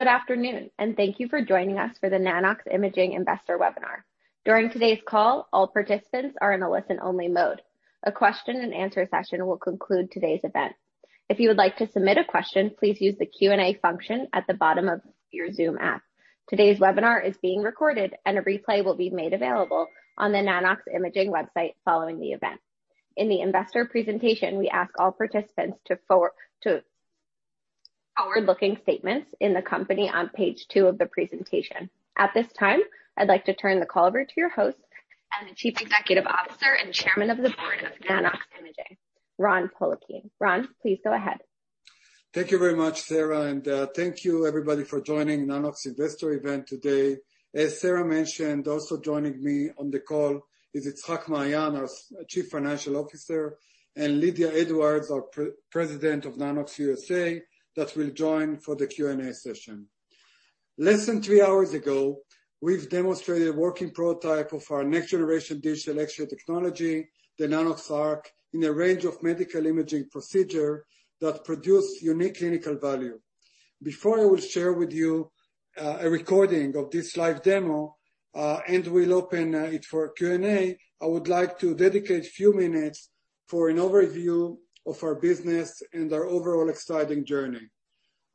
Good afternoon, and thank you for joining us for the Nano-X Imaging investor webinar. During today's call, all participants are in a listen-only mode. A question-and-answer session will conclude today's event. If you would like to submit a question, please use the Q&A function at the bottom of your Zoom app. Today's webinar is being recorded, and a replay will be made available on the Nano-X Imaging website following the event. In the investor presentation, we ask all participants to forward-looking statements in the company on page two of the presentation. At this time, I'd like to turn the call over to your host and the Chief Executive Officer and Chairman of the Board of Nano-X Imaging, Ran Poliakine. Ran, please go ahead. Thank you very much and thank you everybody for joining the Nano-X investor event today. As mentioned, also joining me on the call is Itzhak Maayan, our Chief Financial Officer, and Lydia Edwards, our President of Nano-X USA, that will join for the Q&A session. Less than three hours ago, we've demonstrated a working prototype of our next-generation digital X-ray technology, the Nanox.ARC, in a range of medical imaging procedures that produce unique clinical value. Before I will share with you a recording of this live demo and we'll open it for Q&A, I would like to dedicate a few minutes for an overview of our business and our overall exciting journey.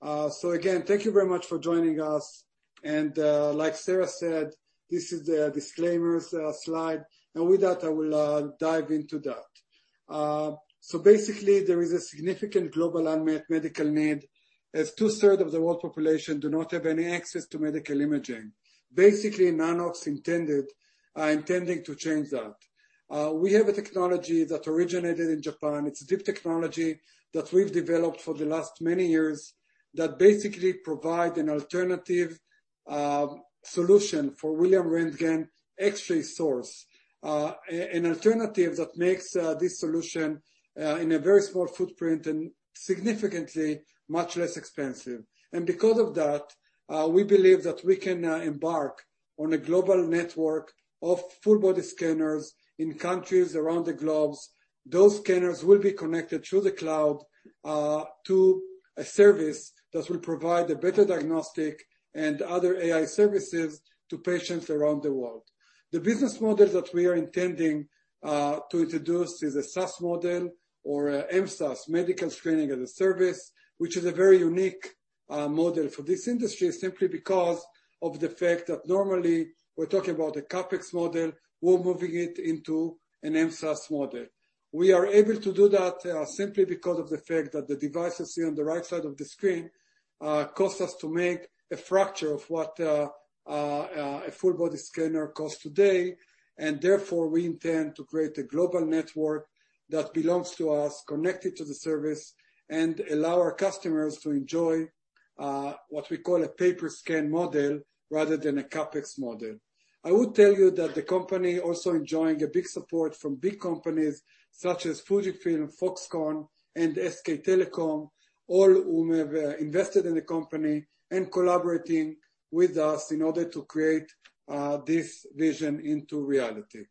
So again, thank you very much for joining us, and like said, this is the disclaimer slide, and with that, I will dive into that. Basically, there is a significant global unmet medical need as two-thirds of the world's population do not have any access to medical imaging. Basically, Nano-X intended to change that. We have a technology that originated in Japan. It's a deep technology that we've developed for the last many years that basically provides an alternative solution for Wilhelm Röntgen X-ray source, an alternative that makes this solution in a very small footprint and significantly much less expensive. Because of that, we believe that we can embark on a global network of full-body scanners in countries around the globe. Those scanners will be connected through the cloud to a service that will provide a better diagnostic and other AI services to patients around the world. The business model that we are intending to introduce is a SaaS model or MSaaS, Medical Screening as a Service, which is a very unique model for this industry simply because of the fact that normally we're talking about a CapEx model. We're moving it into an MSaaS model. We are able to do that simply because of the fact that the devices seen on the right side of the screen cost us a fraction of what a full-body scanner costs today, and therefore, we intend to create a global network that belongs to us, connected to the service, and allow our customers to enjoy what we call a pay-per-scan model rather than a CapEx model. I would tell you that the company is also enjoying a big support from big companies such as Fujifilm, Foxconn, and SK Telecom, all who have invested in the company and collaborating with us in order to create this vision into reality.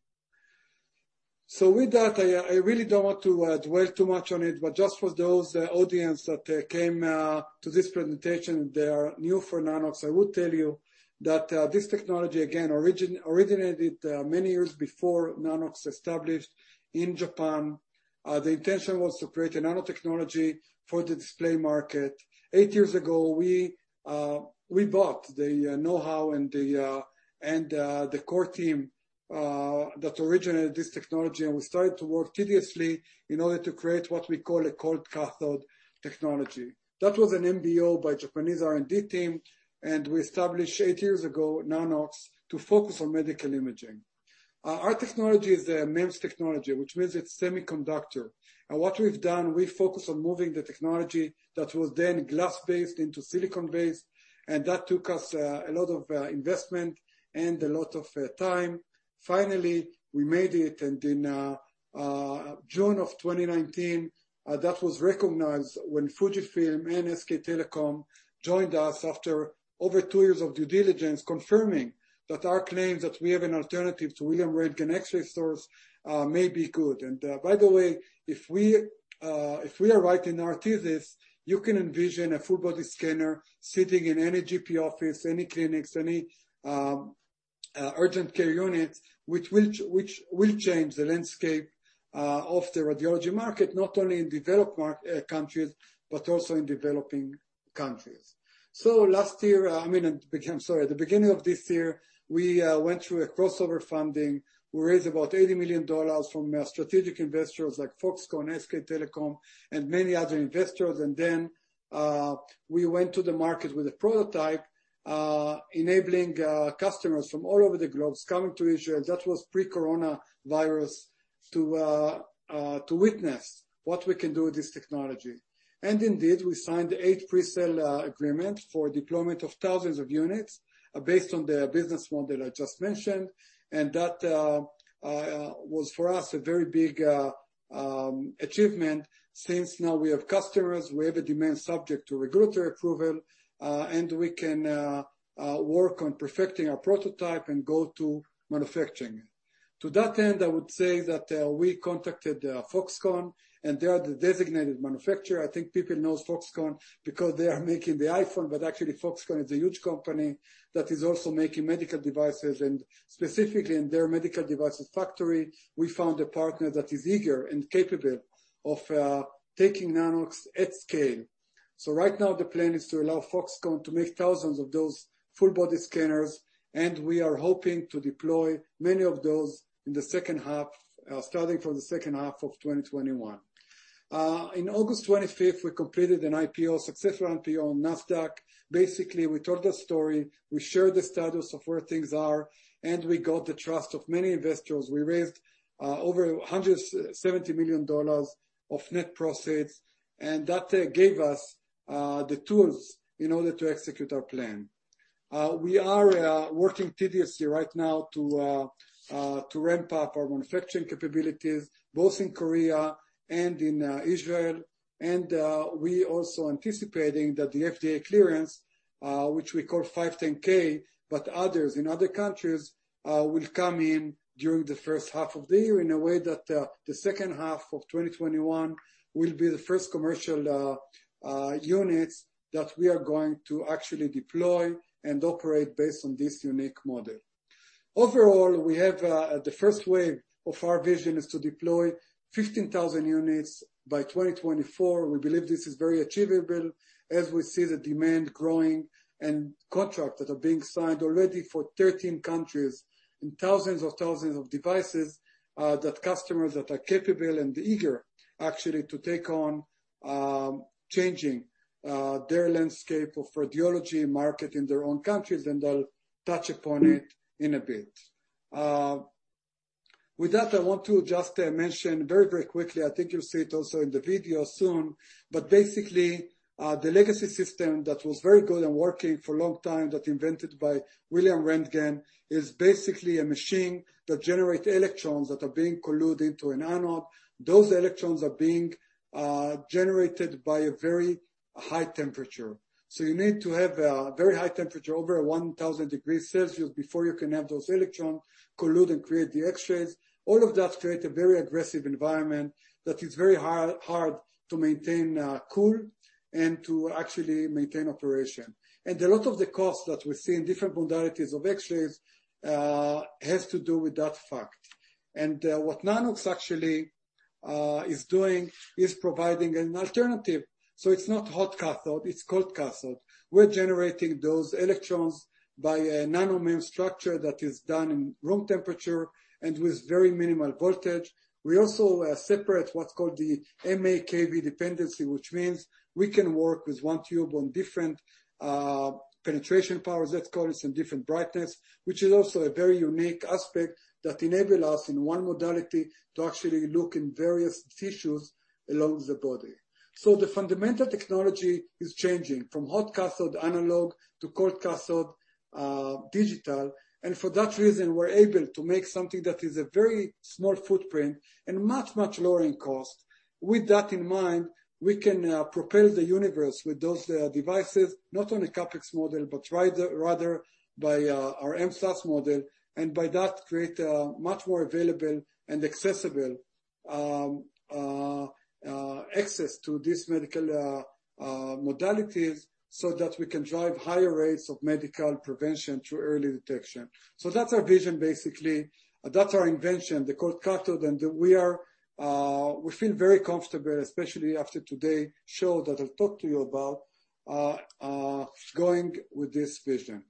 With that, I really don't want to dwell too much on it, but just for those audience that came to this presentation and they are new for Nano-X, I would tell you that this technology, again, originated many years before Nano-X was established in Japan. The intention was to create a nanotechnology for the display market. Eight years ago, we bought the know-how and the core team that originated this technology, and we started to work tediously in order to create what we call a cold- cathode technology. That was an MBO by a Japanese R&D team, and we established eight years ago Nano-X to focus on medical imaging. Our technology is a MEMS technology, which means it's semiconductor. And what we've done, we focus on moving the technology that was then glass-based into silicon-based, and that took us a lot of investment and a lot of time. Finally, we made it, and in June of 2019, that was recognized when Fujifilm and SK Telecom joined us after over two years of due diligence confirming that our claims that we have an alternative to Wilhelm Röntgen X-ray source may be good. And by the way, if we are writing our thesis, you can envision a full-body scanner sitting in any GP office, any clinics, any urgent care unit, which will change the landscape of the radiology market, not only in developed countries, but also in developing countries. Last year, I mean, I'm sorry, at the beginning of this year, we went through a crossover funding. We raised about $80 million from strategic investors like Foxconn, SK Telecom, and many other investors. Then we went to the market with a prototype, enabling customers from all over the globe coming to Israel. That was pre-coronavirus to witness what we can do with this technology. Indeed, we signed eight pre-sale agreements for deployment of thousands of units based on the business model I just mentioned. That was, for us, a very big achievement since now we have customers, we have a demand subject to regulatory approval, and we can work on perfecting our prototype and go to manufacturing. To that end, I would say that we contacted Foxconn, and they are the designated manufacturer. I think people know Foxconn because they are making the iPhone, but actually, Foxconn is a huge company that is also making medical devices, and specifically in their medical devices factory, we found a partner that is eager and capable of taking Nano-X at scale, so right now, the plan is to allow Foxconn to make thousands of those full-body scanners, and we are hoping to deploy many of those in the second half, starting from the second half of 2021. On August 25th, we completed an IPO, a successful IPO on Nasdaq. Basically, we told the story, we shared the status of where things are, and we got the trust of many investors. We raised over $170 million of net proceeds, and that gave us the tools in order to execute our plan. We are working tediously right now to ramp up our manufacturing capabilities, both in Korea and in Israel. We are also anticipating that the FDA clearance, which we call 510(k), but others in other countries will come in during the first half of the year in a way that the second half of 2021 will be the first commercial units that we are going to actually deploy and operate based on this unique model. Overall, we have the first wave of our vision is to deploy 15,000 units by 2024. We believe this is very achievable as we see the demand growing and contracts that are being signed already for 13 countries and thousands of thousands of devices that customers that are capable and eager actually to take on changing their landscape of radiology market in their own countries, and I'll touch upon it in a bit. With that, I want to just mention very, very quickly. I think you'll see it also in the video soon, but basically, the legacy system that was very good and working for a long time that was invented by Wilhelm Röntgen is basically a machine that generates electrons that are being collided into an anode. Those electrons are being generated by a very high temperature. So you need to have a very high temperature, over 1,000 degrees Celsius, before you can have those electrons collide and create the X-rays. All of that creates a very aggressive environment that is very hard to maintain cool and to actually maintain operation. And a lot of the costs that we see in different modalities of X-rays have to do with that fact. And what Nano-X actually is doing is providing an alternative. So it's not hot cathode, it's cold cathode. We're generating those electrons by a nano-MEMS structure that is done in room temperature and with very minimal voltage. We also separate what's called the mA-kV dependency, which means we can work with one tube on different penetration powers, let's call it, and different brightness, which is also a very unique aspect that enables us in one modality to actually look in various tissues along the body. So the fundamental technology is changing from hot cathode analog to cold cathode digital. And for that reason, we're able to make something that is a very small footprint and much, much lower in cost. With that in mind, we can propel the universe with those devices, not on a CapEx model, but rather by our MSaaS model, and by that, create a much more available and accessible access to these medical modalities so that we can drive higher rates of medical prevention through early detection. So that's our vision, basically. That's our invention, the cold cathode. We feel very comfortable, especially after today's show that I'll talk to you about, going with this vision.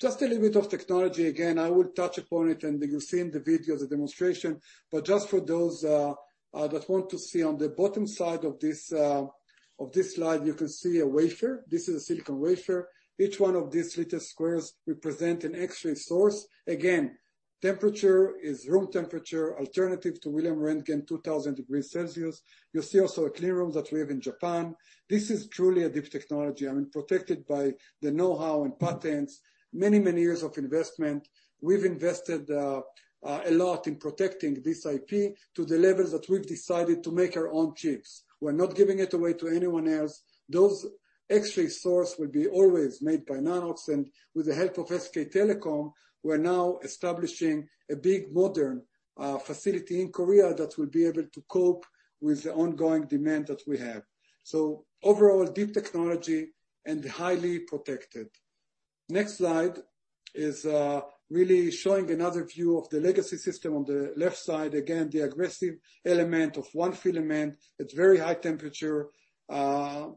Just a little bit of technology. Again, I will touch upon it, and you'll see in the video the demonstration. But just for those that want to see on the bottom side of this slide, you can see a wafer. This is a silicon wafer. Each one of these little squares represents an X-ray source. Again, temperature is room temperature, alternative to Wilhelm Röntgen, 2,000 degrees Celsius. You'll see also a cleanroom that we have in Japan. This is truly a deep technology. I mean, protected by the know-how and patents, many, many years of investment. We've invested a lot in protecting this IP to the level that we've decided to make our own chips. We're not giving it away to anyone else. Those X-ray sources will be always made by Nano-X, and with the help of SK Telecom, we're now establishing a big modern facility in Korea that will be able to cope with the ongoing demand that we have, so overall, deep technology and highly protected. Next slide is really showing another view of the legacy system on the left side. Again, the aggressive element of one filament at very high temperature,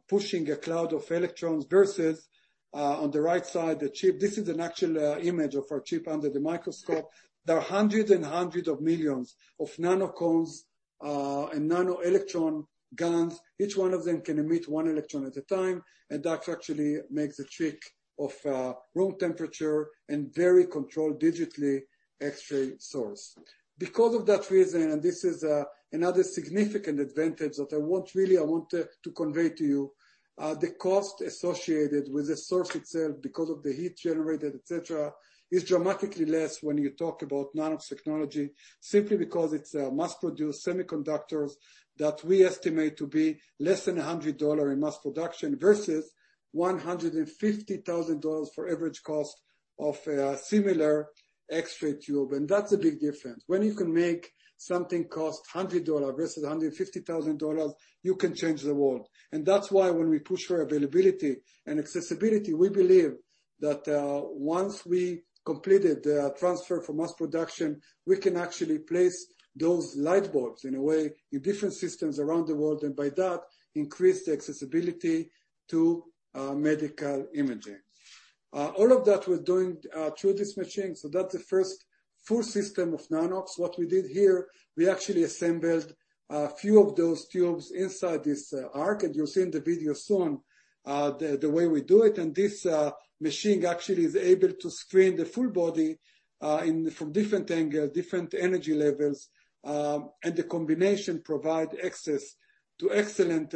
pushing a cloud of electrons versus on the right side, the chip. This is an actual image of our chip under the microscope. There are hundreds and hundreds of millions of nanocones and nano-electron guns. Each one of them can emit one electron at a time, and that actually makes the trick of room temperature and very controlled digital X-ray source. Because of that reason, and this is another significant advantage that I want to convey to you, the cost associated with the source itself because of the heat generated, etc., is dramatically less when you talk about Nano-X technology, simply because it's mass-produced semiconductors that we estimate to be less than $100 in mass production versus $150,000 for average cost of a similar X-ray tube, and that's a big difference. When you can make something cost $100 versus $150,000, you can change the world. And that's why when we push for availability and accessibility, we believe that once we completed the transfer from mass production, we can actually place those light bulbs in a way in different systems around the world, and by that, increase the accessibility to medical imaging. All of that we're doing through this machine. So that's the first full system of Nano-X. What we did here, we actually assembled a few of those tubes inside this ARC, and you'll see in the video soon the way we do it. And this machine actually is able to screen the full body from different angles, different energy levels, and the combination provides access to excellent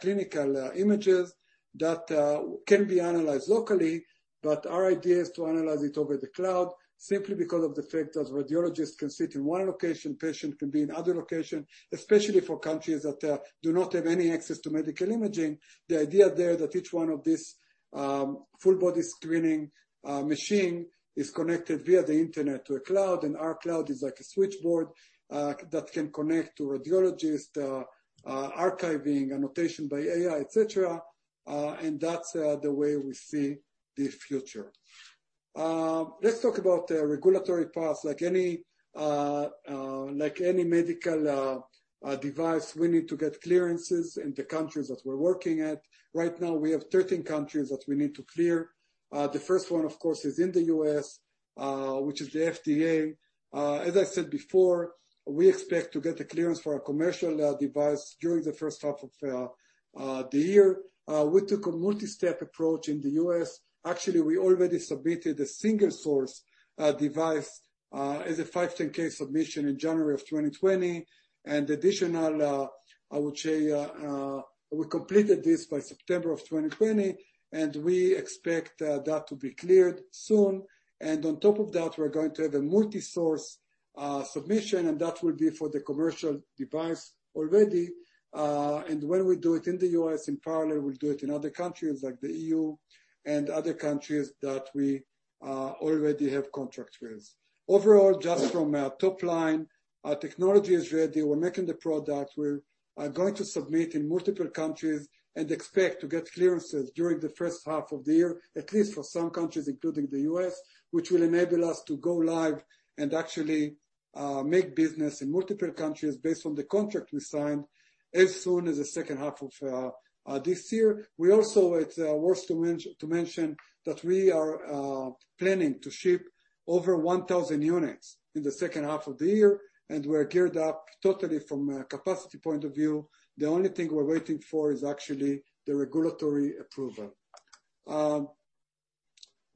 clinical images that can be analyzed locally. But our idea is to analyze it over the cloud simply because of the fact that radiologists can sit in one location, patients can be in other locations, especially for countries that do not have any access to medical imaging. The idea there that each one of these full-body screening machines is connected via the internet to a cloud, and our cloud is like a switchboard that can connect to radiologists, archiving annotation by AI, etc. And that's the way we see the future. Let's talk about regulatory paths. Like any medical device, we need to get clearances in the countries that we're working at. Right now, we have 13 countries that we need to clear. The first one, of course, is in the U.S., which is the FDA. As I said before, we expect to get the clearance for our commercial device during the first half of the year. We took a multi-step approach in the U.S. Actually, we already submitted a single-source device as a 510(k) submission in January of 2020. And additionally, I would say we completed this by September of 2020, and we expect that to be cleared soon. And on top of that, we're going to have a multi-source submission, and that will be for the commercial device already. And when we do it in the U.S. in parallel, we'll do it in other countries like the EU and other countries that we already have contracts with. Overall, just from top line, our technology is ready. We're making the product. We're going to submit in multiple countries and expect to get clearances during the first half of the year, at least for some countries, including the U.S., which will enable us to go live and actually make business in multiple countries based on the contract we signed as soon as the second half of this year. We also, it's worth to mention that we are planning to ship over 1,000 units in the second half of the year, and we're geared up totally from a capacity point of view. The only thing we're waiting for is actually the regulatory approval.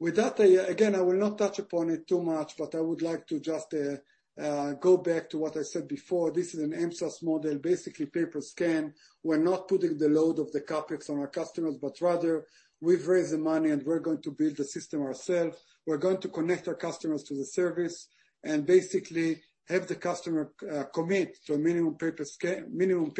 With that, again, I will not touch upon it too much, but I would like to just go back to what I said before. This is an MSaaS model, basically pay-per-scan. We're not putting the load of the CapEx on our customers, but rather, we've raised the money, and we're going to build the system ourselves. We're going to connect our customers to the service and basically have the customer commit to a minimum pay-per-scan, minimum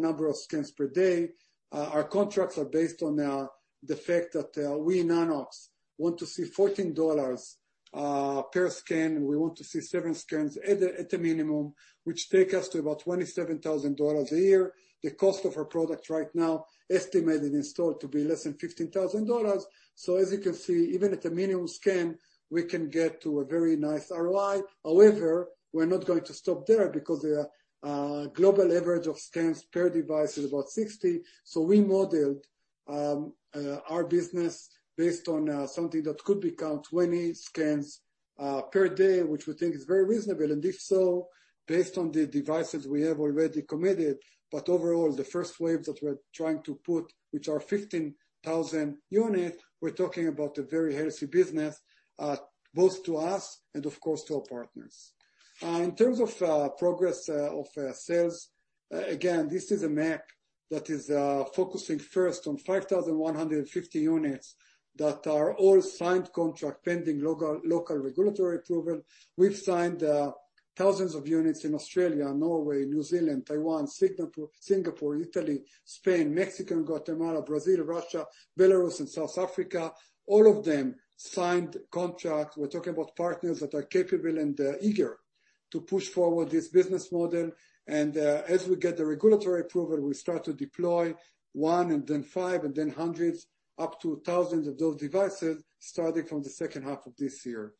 number of scans per day. Our contracts are based on the fact that we in Nano-X want to see $14 per scan, and we want to see seven scans at a minimum, which takes us to about $27,000 a year. The cost of our product right now estimated installed to be less than $15,000. So as you can see, even at a minimum scan, we can get to a very nice ROI. However, we're not going to stop there because the global average of scans per device is about 60. So we modeled our business based on something that could become 20 scans per day, which we think is very reasonable. And if so, based on the devices we have already committed. But overall, the first wave that we're trying to put, which are 15,000 units, we're talking about a very healthy business, both to us and, of course, to our partners. In terms of progress of sales, again, this is a map that is focusing first on 5,150 units that are all signed contract pending local regulatory approval. We've signed thousands of units in Australia, Norway, New Zealand, Taiwan, Singapore, Italy, Spain, Mexico, Guatemala, Brazil, Russia, Belarus, and South Africa. All of them signed contracts. We're talking about partners that are capable and eager to push forward this business model. As we get the regulatory approval, we start to deploy one and then five and then hundreds, up to thousands of those devices starting from the second half of this year.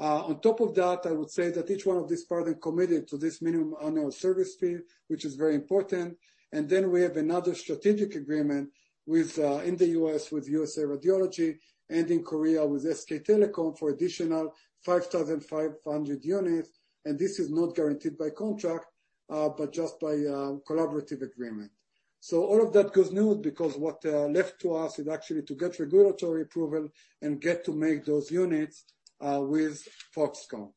On top of that, I would say that each one of these partners committed to this minimum annual service fee, which is very important. And then we have another strategic agreement in the U.S. with USARAD and in Korea with SK Telecom for additional 5,500 units. And this is not guaranteed by contract, but just by collaborative agreement. So all of that goes smooth because what's left to us is actually to get regulatory approval and get to make those units with Foxconn.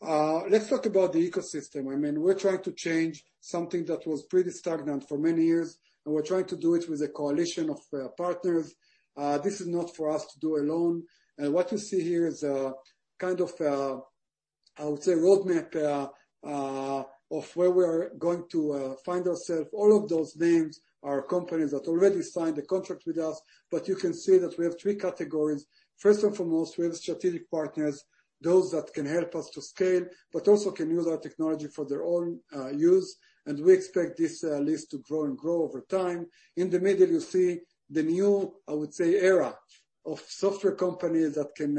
Let's talk about the ecosystem. I mean, we're trying to change something that was pretty stagnant for many years, and we're trying to do it with a coalition of partners. This is not for us to do alone. And what you see here is a kind of, I would say, roadmap of where we are going to find ourselves. All of those names are companies that already signed the contract with us, but you can see that we have three categories. First and foremost, we have strategic partners, those that can help us to scale, but also can use our technology for their own use. And we expect this list to grow and grow over time. In the middle, you see the new, I would say, era of software companies that can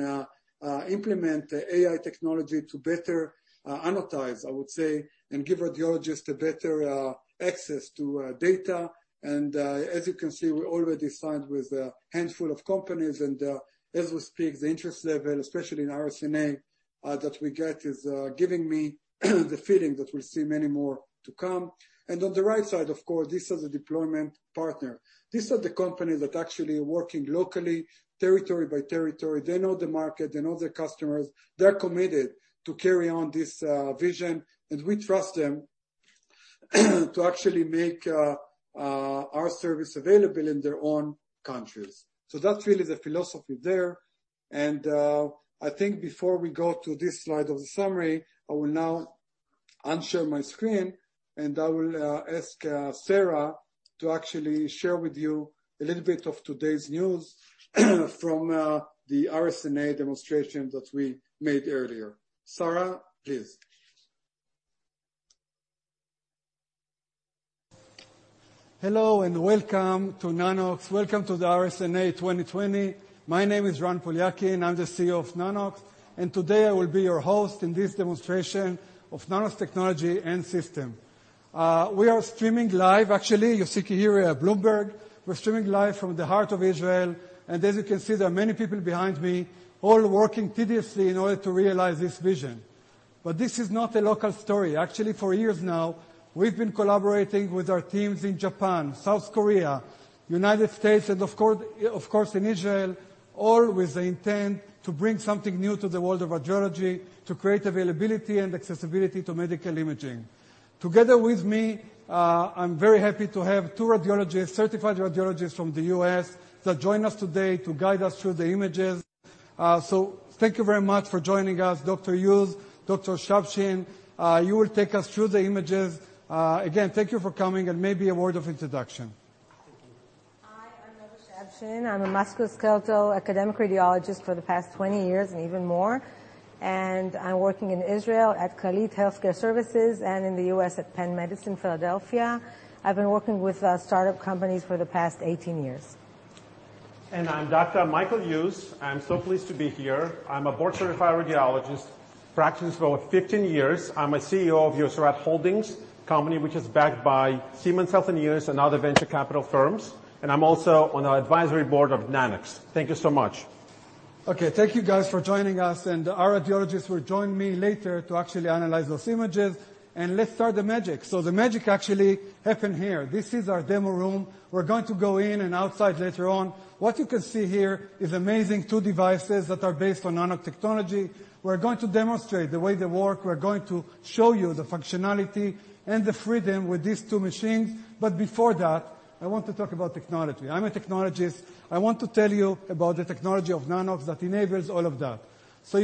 implement AI technology to better analyze, I would say, and give radiologists better access to data. And as you can see, we already signed with a handful of companies. As we speak, the interest level, especially in RSNA, that we get is giving me the feeling that we'll see many more to come. On the right side, of course, this is a deployment partner. These are the companies that actually are working locally, territory by territory. They know the market. They know their customers. They're committed to carry on this vision, and we trust them to actually make our service available in their own countries. So that's really the philosophy there. I think before we go to this slide of the summary, I will now unshare my screen, and I will ask to actually share with you a little bit of today's news from the RSNA demonstration that we made earlier. please. Hello and welcome to Nano-X. Welcome to the RSNA 2020. My name is Ran Poliakine, and I'm the CEO of Nano-X. And today, I will be your host in this demonstration of Nano-X technology and system. We are streaming live. Actually, you'll see here a Bloomberg. We're streaming live from the heart of Israel. And as you can see, there are many people behind me, all working tediously in order to realize this vision. But this is not a local story. Actually, for years now, we've been collaborating with our teams in Japan, South Korea, the United States, and of course, in Israel, all with the intent to bring something new to the world of radiology, to create availability and accessibility to medical imaging. Together with me, I'm very happy to have two radiologists, certified radiologists from the US, that join us today to guide us through the images. So thank you very much for joining us, Dr. Yuz, Dr. Shabshin. You will take us through the images. Again, thank you for coming and maybe a word of introduction. Hi, I'm Noga Shabshin. I'm a musculoskeletal academic radiologist for the past 20 years and even more. And I'm working in Israel at Clalit Health Services and in the US at Penn Medicine, Philadelphia. I've been working with startup companies for the past 18 years. And I'm Dr. Michael Yuz. I'm so pleased to be here. I'm a board-certified radiologist, practicing for over 15 years. I'm a CEO of USARAD Holdings, a company which is backed by Siemens Healthineers and other venture capital firms. And I'm also on the advisory board of Nano-X. Thank you so much. Okay, thank you guys for joining us. And our radiologists will join me later to actually analyze those images. And let's start the magic. So the magic actually happened here. This is our demo room. We're going to go in and outside later on. What you can see here is amazing, two devices that are based on Nano-X technology. We're going to demonstrate the way they work. We're going to show you the functionality and the freedom with these two machines. But before that, I want to talk about technology. I'm a technologist. I want to tell you about the technology of Nano-X that enables all of that. So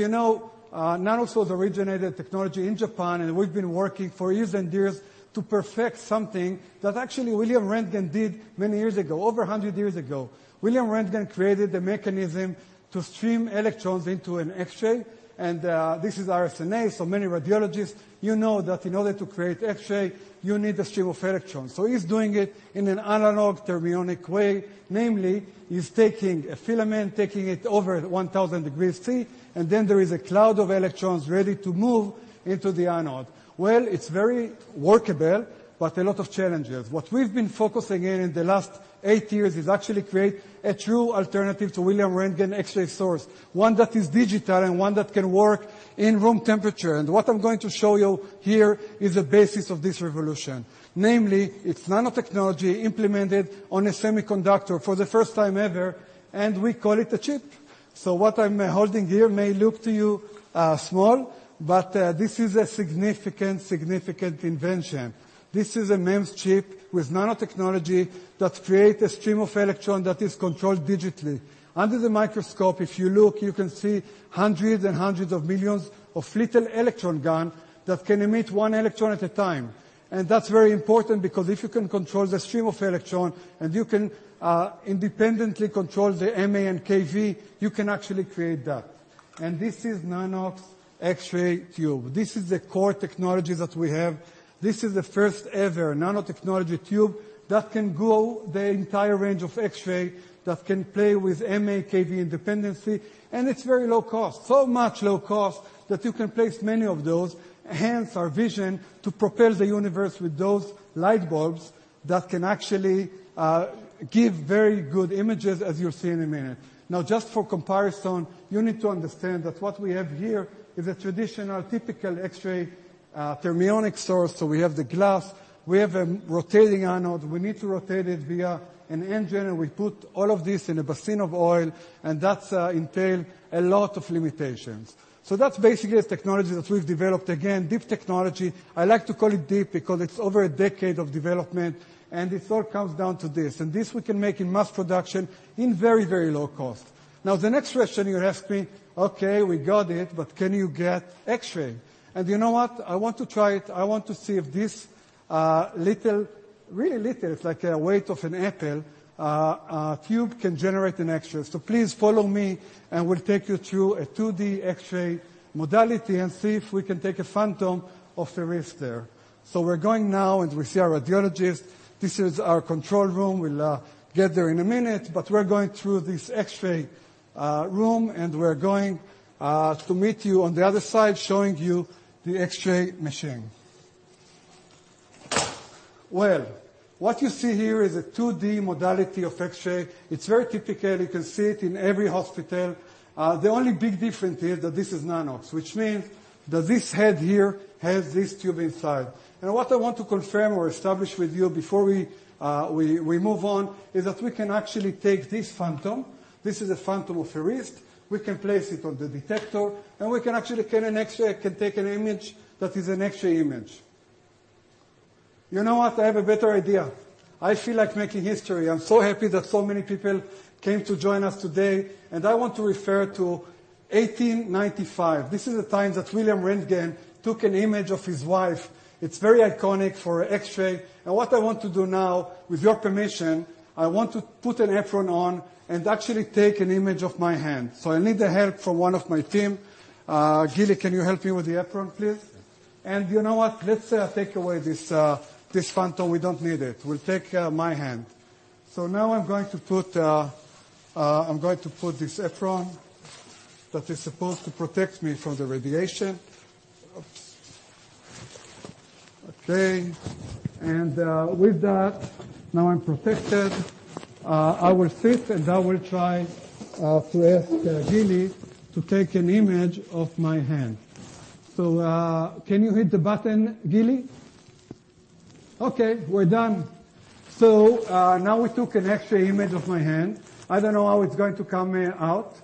Nano-X was originated technology in Japan, and we've been working for years and years to perfect something that actually Wilhelm Röntgen did many years ago, over 100 years ago. Wilhelm Röntgen created the mechanism to stream electrons into an X-ray. And this is RSNA. So many radiologists, you know that in order to create X-ray, you need the stream of electrons. So he's doing it in an analog thermionic way. Namely, he's taking a filament, taking it over 1,000 degrees Celsius, and then there is a cloud of electrons ready to move into the anode. Well, it's very workable, but a lot of challenges. What we've been focusing on in the last eight years is actually creating a true alternative to Wilhelm Röntgen X-ray source, one that is digital and one that can work in room temperature. And what I'm going to show you here is the basis of this revolution. Namely, it's nanotechnology implemented on a semiconductor for the first time ever, and we call it a chip. So what I'm holding here may look to you small, but this is a significant, significant invention. This is a MEMS chip with nanotechnology that creates a stream of electrons that is controlled digitally. Under the microscope, if you look, you can see hundreds and hundreds of millions of little electron guns that can emit one electron at a time. That's very important because if you can control the stream of electrons and you can independently control the mA and kV, you can actually create that. This is the Nano-X X-ray tube. This is the core technology that we have. This is the first-ever nanotechnology tube that can go the entire range of X-ray that can play with mA and kV independence. It's very low cost, so much low cost that you can place many of those. Hence our vision to populate the universe with those light bulbs that can actually give very good images as you'll see in a minute. Now, just for comparison, you need to understand that what we have here is a traditional typical X-ray thermionic source. So we have the glass. We have a rotating anode. We need to rotate it via an engine, and we put all of this in a basin of oil, and that entails a lot of limitations. So that's basically a technology that we've developed. Again, deep technology. I like to call it deep because it's over a decade of development, and it all comes down to this. And this we can make in mass production in very, very low cost. Now, the next question you ask me, okay, we got it, but can you get X-ray? And you know what? I want to try it. I want to see if this little, really little, it's like the weight of an apple tube can generate an X-ray. Please follow me, and we'll take you through a 2D X-ray modality and see if we can take a phantom of the wrist there. So we're going now, and we see our radiologist. This is our control room. We'll get there in a minute, but we're going through this X-ray room, and we're going to meet you on the other side, showing you the X-ray machine. Well, what you see here is a 2D modality of X-ray. It's very typical. You can see it in every hospital. The only big difference is that this is Nano-X, which means that this head here has this tube inside. And what I want to confirm or establish with you before we move on is that we can actually take this phantom. This is a phantom of a wrist. We can place it on the detector, and we can actually get an X-ray, can take an image that is an X-ray image. You know what? I have a better idea. I feel like making history. I'm so happy that so many people came to join us today, and I want to refer to 1895. This is the time that Wilhelm Röntgen took an image of his wife. It's very iconic for X-ray, and what I want to do now, with your permission, I want to put an apron on and actually take an image of my hand, so I need the help from one of my team. Can you help me with the apron, please, and you know what? Let's take away this phantom. We don't need it. We'll take my hand. So now I'm going to put this apron that is supposed to protect me from the radiation. Okay. And with that, now I'm protected. I will sit, and I will try to ask to take an image of my hand. So can you hit the button? Okay, we're done. So now we took an X-ray image of my hand. I don't know how it's going to come out.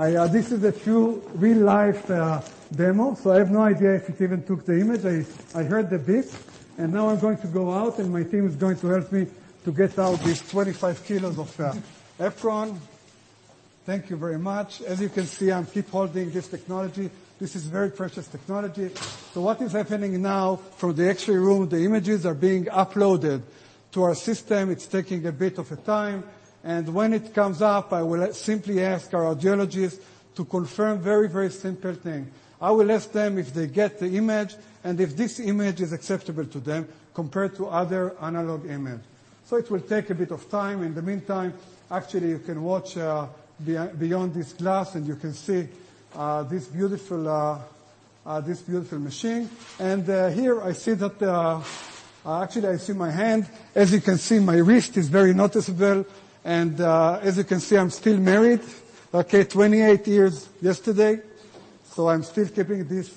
This is a true real-life demo, so I have no idea if it even took the image. I heard the beep. And now I'm going to go out, and my team is going to help me to get out these 25 kilos of apron. Thank you very much. As you can see, I'm keep holding this technology. This is very precious technology. So what is happening now from the X-ray room? The images are being uploaded to our system. It's taking a bit of time. And when it comes up, I will simply ask our radiologist to confirm very, very simple thing. I will ask them if they get the image and if this image is acceptable to them compared to other analog images. So it will take a bit of time. In the meantime, actually, you can watch beyond this glass, and you can see this beautiful machine. And here, I see that actually, I see my hand. As you can see, my wrist is very noticeable. And as you can see, I'm still married, okay, 28 years yesterday. So I'm still keeping this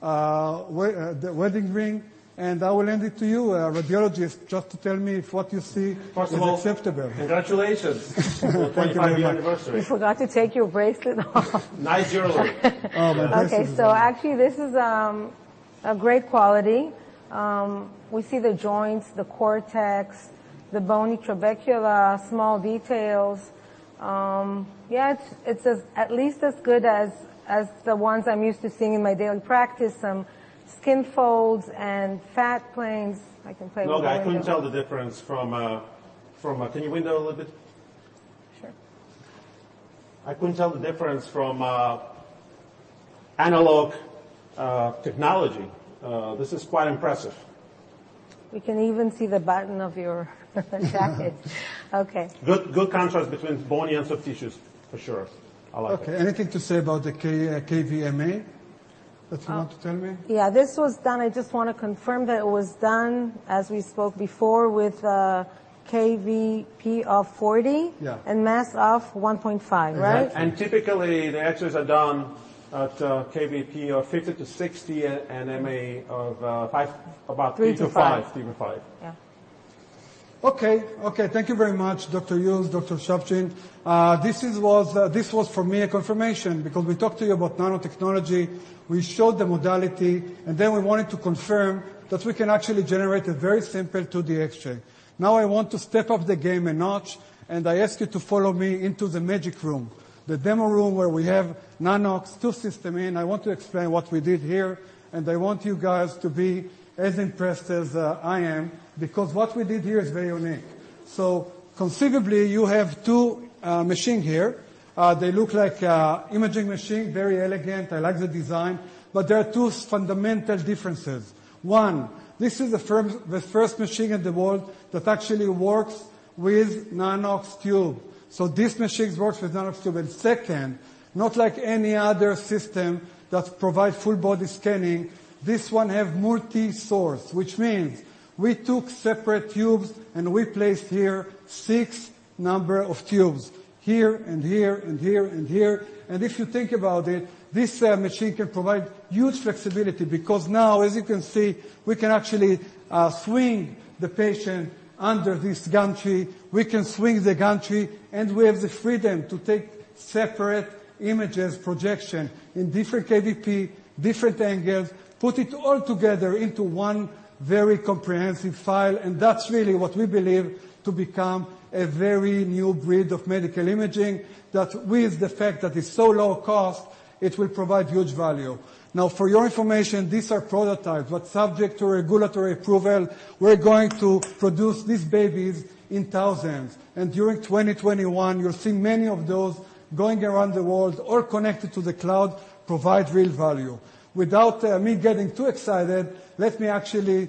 wedding ring. And I will hand it to you, radiologist, just to tell me if what you see is acceptable. Congratulations. Thank you very much. We forgot to take your bracelet off. Nice girl. Okay, so actually, this is a great quality. We see the joints, the cortex, the bony trabecula, small details. Yeah, it's at least as good as the ones I'm used to seeing in my daily practice, some skin folds and fat planes. I can play with that. No, I couldn't tell the difference from a, can you wind it a little bit? Sure. I couldn't tell the difference from analog technology. This is quite impressive. We can even see the button of your jacket. Okay. Good contrast between bony and soft tissues, for sure. I like it. Okay. Anything to say about the kV and mA that you want to tell me? Yeah, this was done. I just want to confirm that it was done, as we spoke before, with kVp of 40 and mAs of 1.5, right? And typically, the X-rays are done at kVp of 50-60 and mA of about 3-5. 3-5. Yeah. Okay. Okay. Thank you very much, Dr. Yuz, Dr. Shabshin. This was, for me, a confirmation because we talked to you about nanotechnology. We showed the modality, and then we wanted to confirm that we can actually generate a very simple 2D X-ray. Now I want to step up the game a notch, and I ask you to follow me into the magic room, the demo room where we have Nano-X, two systems in. I want to explain what we did here, and I want you guys to be as impressed as I am because what we did here is very unique. So conceivably, you have two machines here. They look like an imaging machine, very elegant. I like the design. But there are two fundamental differences. One, this is the first machine in the world that actually works with Nano-X tube. So this machine works with Nano-X tube. And second, not like any other system that provides full-body scanning, this one has multi-source, which means we took separate tubes and we placed here six numbers of tubes here and here and here and here. And if you think about it, this machine can provide huge flexibility because now, as you can see, we can actually swing the patient under this gantry. We can swing the gantry, and we have the freedom to take separate images, projection in different kVp, different angles, put it all together into one very comprehensive file. And that's really what we believe to become a very new breed of medical imaging that, with the fact that it's so low cost, it will provide huge value. Now, for your information, these are prototypes, but subject to regulatory approval, we're going to produce these babies in thousands. And during 2021, you'll see many of those going around the world or connected to the cloud provide real value. Without me getting too excited, let me actually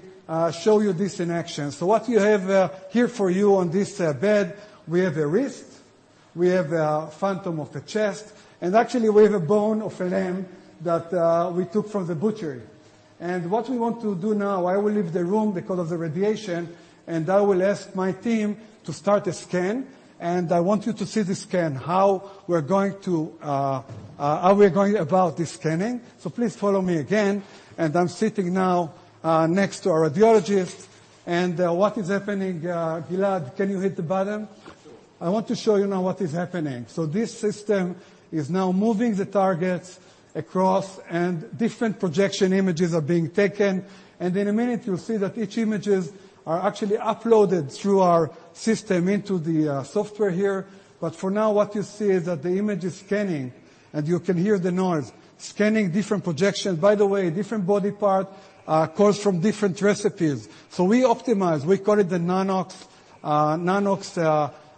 show you this in action, so what we have here for you on this bed, we have a wrist. We have a phantom of the chest. And actually, we have a bone of a limb that we took from the butchery. And what we want to do now, I will leave the room because of the radiation, and I will ask my team to start a scan. And I want you to see the scan, how we're going about the scanning, so please follow me again, and I'm sitting now next to our radiologist. And what is happening, can you hit the button? I want to show you now what is happening. So this system is now moving the targets across, and different projection images are being taken. And in a minute, you'll see that each image is actually uploaded through our system into the software here. But for now, what you see is that the image is scanning, and you can hear the noise, scanning different projections. By the way, different body parts come from different recipes. So we optimize. We call it the Nano-X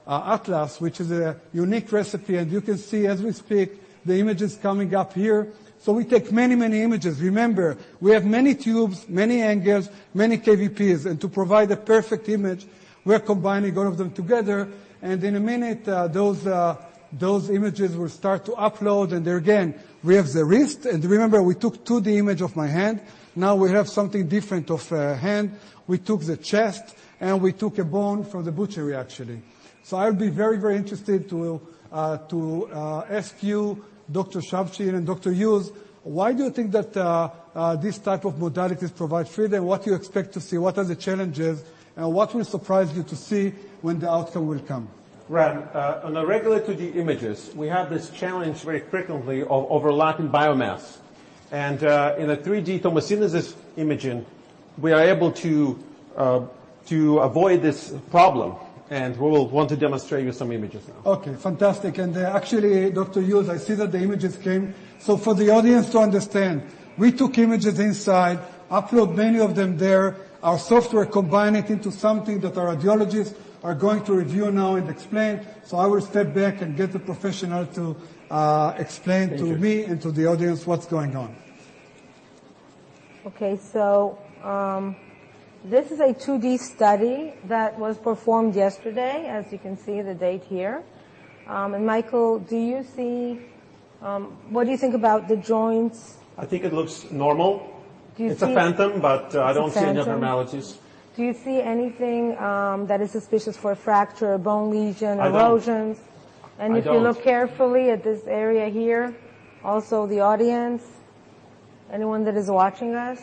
Atlas, which is a unique recipe. And you can see, as we speak, the image is coming up here. So we take many, many images. Remember, we have many tubes, many angles, many kVps. And to provide a perfect image, we're combining all of them together. And in a minute, those images will start to upload. And there again, we have the wrist. And remember, we took 2D image of my hand. Now we have something different of a hand. We took the chest, and we took a bone from the butchery, actually, so I'll be very, very interested to ask you, Dr. Shabshin and Dr. Yuz, why do you think that this type of modalities provide freedom? What do you expect to see? What are the challenges? And what will surprise you to see when the outcome will come? Ran, on the regular 2D images, we have this challenge very frequently of overlapping bones. And in a 3D tomosynthesis imaging, we are able to avoid this problem, and we will want to demonstrate with some images now. Okay. Fantastic, and actually, Dr. Yuz, I see that the images came. So for the audience to understand, we took images inside, uploaded many of them there. Our software combines it into something that our radiologists are going to review now and explain. So I will step back and get the professional to explain to me and to the audience what's going on. Okay. So this is a 2D study that was performed yesterday, as you can see the date here. And Michael, do you see? What do you think about the joints? I think it looks normal. It's a phantom, but I don't see any abnormalities. Do you see anything that is suspicious for a fracture, bone lesion, erosions? And if you look carefully at this area here, also the audience, anyone that is watching us?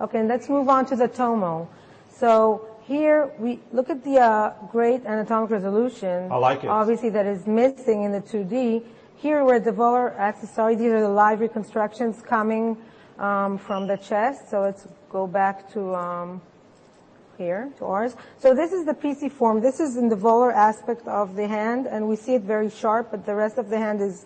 Okay. And let's move on to the tomo. So here, look at the great anatomic resolution. I like it. Obviously, that is missing in the 2D. Here, where the volar. Sorry, these are the live reconstructions coming from the chest. So let's go back to here, to ours. So this is the PC form. This is in the volar aspect of the hand, and we see it very sharp, but the rest of the hand is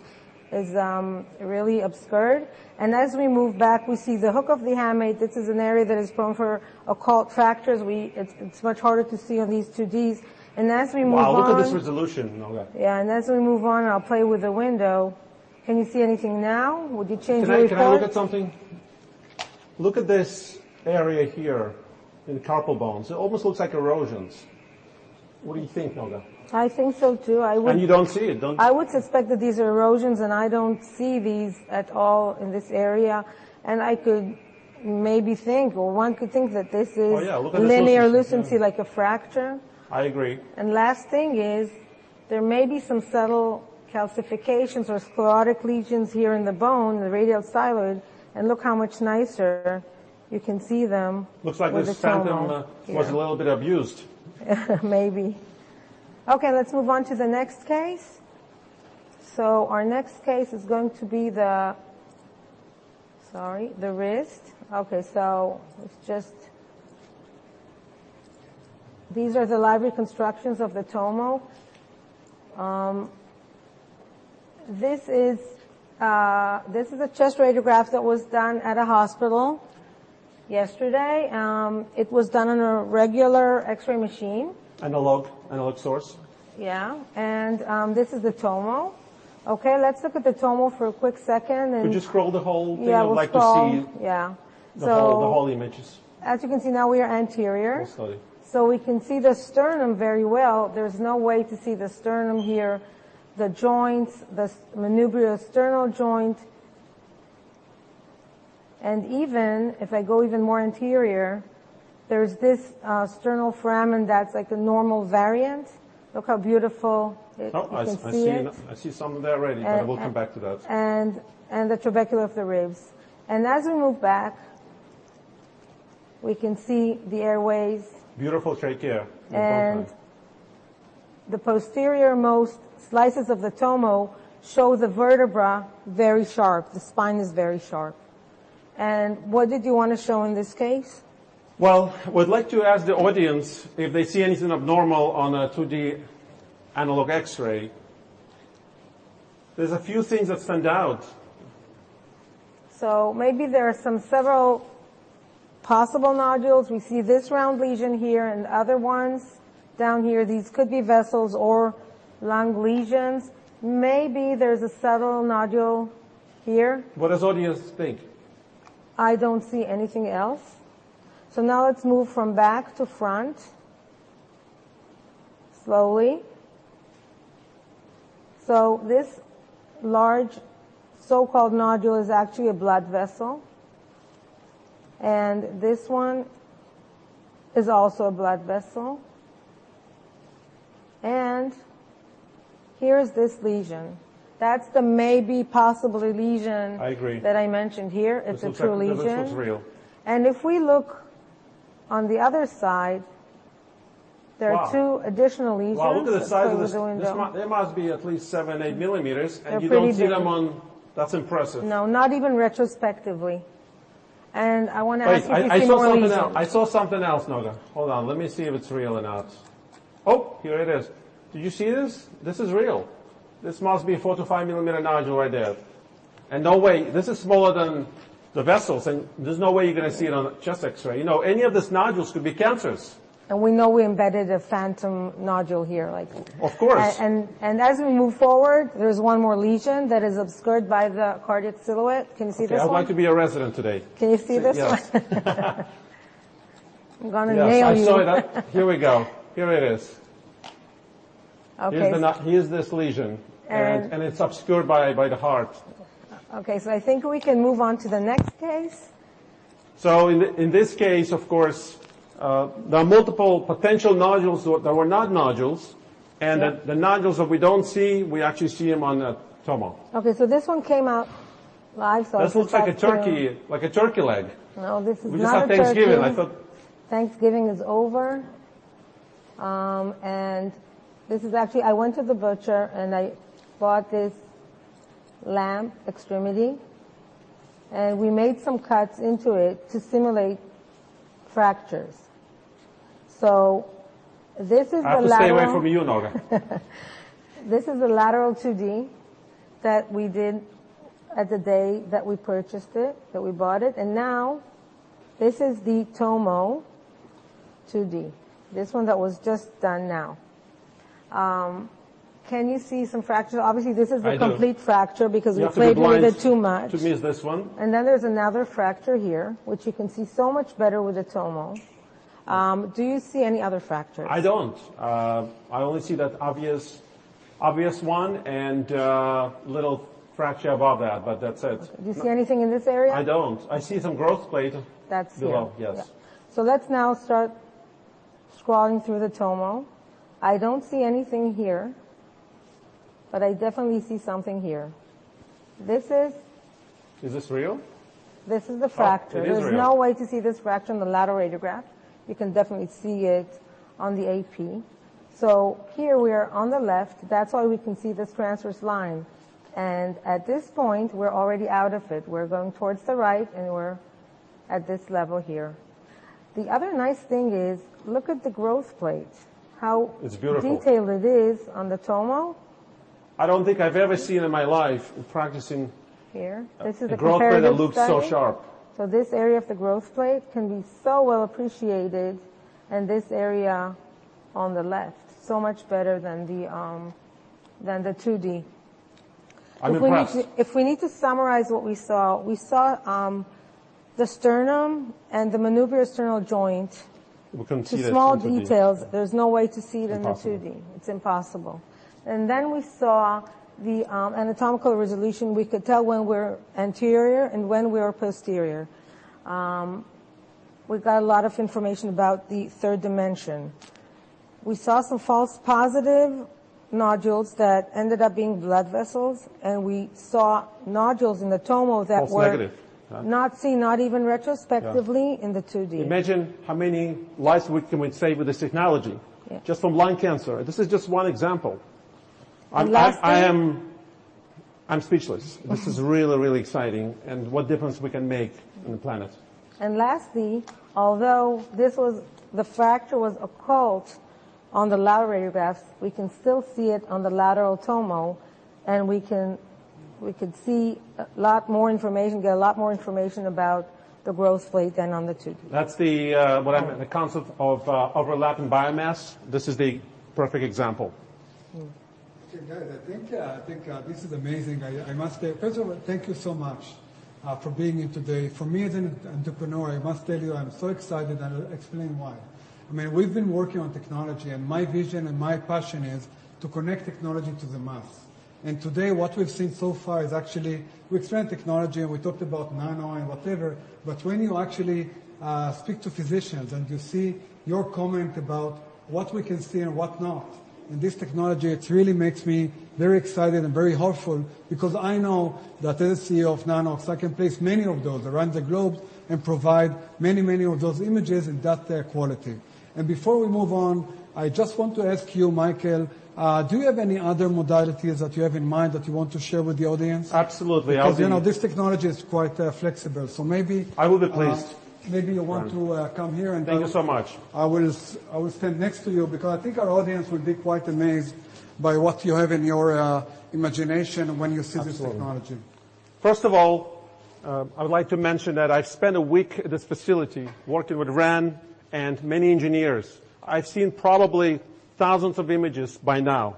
really obscured. And as we move back, we see the hook of the hamate. This is an area that is prone for occult fractures. It's much harder to see on these 2Ds. And as we move on, I'll look at this resolution, Noga. Yeah. And as we move on, I'll play with the window. Can you see anything now? Would you change the way you tell me? Can I look at something? Look at this area here in the carpal bones. It almost looks like erosions. What do you think, Noga? I think so too. I would, and you don't see it. I would suspect that these are erosions, and I don't see these at all in this area. I could maybe think, or one could think that this is. Oh yeah, look at this: a linear lucency like a fracture. I agree. Last thing is there may be some subtle calcifications or sclerotic lesions here in the bone, the radial styloid. Look how much nicer you can see them. Looks like this phantom was a little bit abused. Maybe. Okay. Let's move on to the next case. Our next case is going to be the. Sorry, the wrist. Okay. It's just. These are the live reconstructions of the tomo. This is a chest radiograph that was done at a hospital yesterday. It was done on a regular X-ray machine. Analog source. Yeah. This is the tomo. Okay. Let's look at the tomo for a quick second. Could you scroll the whole thing? I would like to see. Yeah, the whole images. As you can see, now we are anterior, so we can see the sternum very well. There's no way to see the sternum here. The joints, the manubriosternal joint, and even if I go even more anterior, there's this sternal foramen that's like a normal variant. Look how beautiful it looks like. I see some there already, but we'll come back to that, and the trabecula of the ribs, and as we move back, we can see the airways. Beautiful trachea, and the posterior most slices of the tomo show the vertebra very sharp. The spine is very sharp, and what did you want to show in this case, well, we'd like to ask the audience if they see anything abnormal on a 2D analog X-ray. There's a few things that stand out, so maybe there are some several possible nodules. We see this round lesion here and other ones down here. These could be vessels or lung lesions. Maybe there's a subtle nodule here. What does audience think? I don't see anything else. So now let's move from back to front slowly. So this large so-called nodule is actually a blood vessel. And this one is also a blood vessel. And here's this lesion. That's the maybe possible lesion that I mentioned here. It's a true lesion. And if we look on the other side, there are two additional lesions. Well, look at the size of this one. There must be at least seven, eight millimeters. And you don't see them on. That's impressive. No, not even retrospectively. And I want to ask you something. I saw something else, Noga. Hold on. Let me see if it's real or not. Oh, here it is. Did you see this? This is real. This must be a four-to-five-millimeter nodule right there. And no way. This is smaller than the vessels. And there's no way you're going to see it on a chest X-ray. Any of these nodules could be cancerous. And we know we embedded a phantom nodule here. Of course. And as we move forward, there's one more lesion that is obscured by the cardiac silhouette. Can you see this one? I'd like to be a resident today. Can you see this one? I'm going to nail you. Here we go. Here it is. Here's this lesion. And it's obscured by the heart. Okay. So I think we can move on to the next case. So in this case, of course, there are multiple potential nodules that were not nodules. And the nodules that we don't see, we actually see them on the tomo. Okay. So this one came out live. This looks like a turkey leg. No, this is not a turkey. Thanksgiving is over. And this is actually, I went to the butcher and I bought this lamb extremity. And we made some cuts into it to simulate fractures. So this is the lateral. Stay away from you, Noga. This is the lateral 2D that we did at the day that we purchased it, that we bought it. And now this is the tomo 2D, this one that was just done now. Can you see some fractures? Obviously, this is a complete fracture because we played with it too much. To me, it's this one. And then there's another fracture here, which you can see so much better with the tomo. Do you see any other fractures? I don't. I only see that obvious one and a little fracture above that, but that's it. Do you see anything in this area? I don't. I see some growth plate below. Yes. So let's now start scrolling through the tomo. I don't see anything here, but I definitely see something here. This is—is this real? This is the fracture. There's no way to see this fracture on the lateral radiograph. You can definitely see it on the AP. So here we are on the left. That's why we can see this transverse line. And at this point, we're already out of it. We're going towards the right, and we're at this level here. The other nice thing is, look at the growth plate. How detailed it is on the tomo. I don't think I've ever seen in my life practicing here. This is the growth plate. So this area of the growth plate can be so well appreciated. This area on the left, so much better than the 2D. If we need to summarize what we saw, we saw the sternum and the manubriosternal joint. We can see the small details. There's no way to see it in the 2D. It's impossible. And then we saw the anatomical resolution. We could tell when we're anterior and when we are posterior. We got a lot of information about the third dimension. We saw some false positive nodules that ended up being blood vessels. And we saw nodules in the tomo that were false negative. Not seen, not even retrospectively in the 2D. Imagine how many lives we can save with this technology, just from lung cancer. This is just one example. I'm speechless. This is really, really exciting. And what difference we can make on the planet. And lastly, although the fracture was occult on the lateral radiograph, we can still see it on the lateral tomo. And we can see a lot more information, get a lot more information about the growth plate than on the 2D. That's the concept of overlapping bone mass. This is the perfect example. Guys, I think this is amazing. First of all, thank you so much for being here today. For me as an entrepreneur, I must tell you, I'm so excited. I'll explain why. I mean, we've been working on technology. And my vision and my passion is to connect technology to the masses. And today, what we've seen so far is actually we explain technology, and we talked about nano and whatever. But when you actually speak to physicians and you see your comment about what we can see and what not in this technology, it really makes me very excited and very hopeful because I know that as the CEO of Nano-X, I can place many of those around the globe and provide many, many of those images in that quality. And before we move on, I just want to ask you, Michael, do you have any other modalities that you have in mind that you want to share with the audience? Absolutely. Because this technology is quite flexible. So maybe I will be pleased. Maybe you want to come here and, thank you so much. I will stand next to you because I think our audience will be quite amazed by what you have in your imagination when you see this technology. First of all, I would like to mention that I've spent a week at this facility working with Ran and many engineers. I've seen probably thousands of images by now.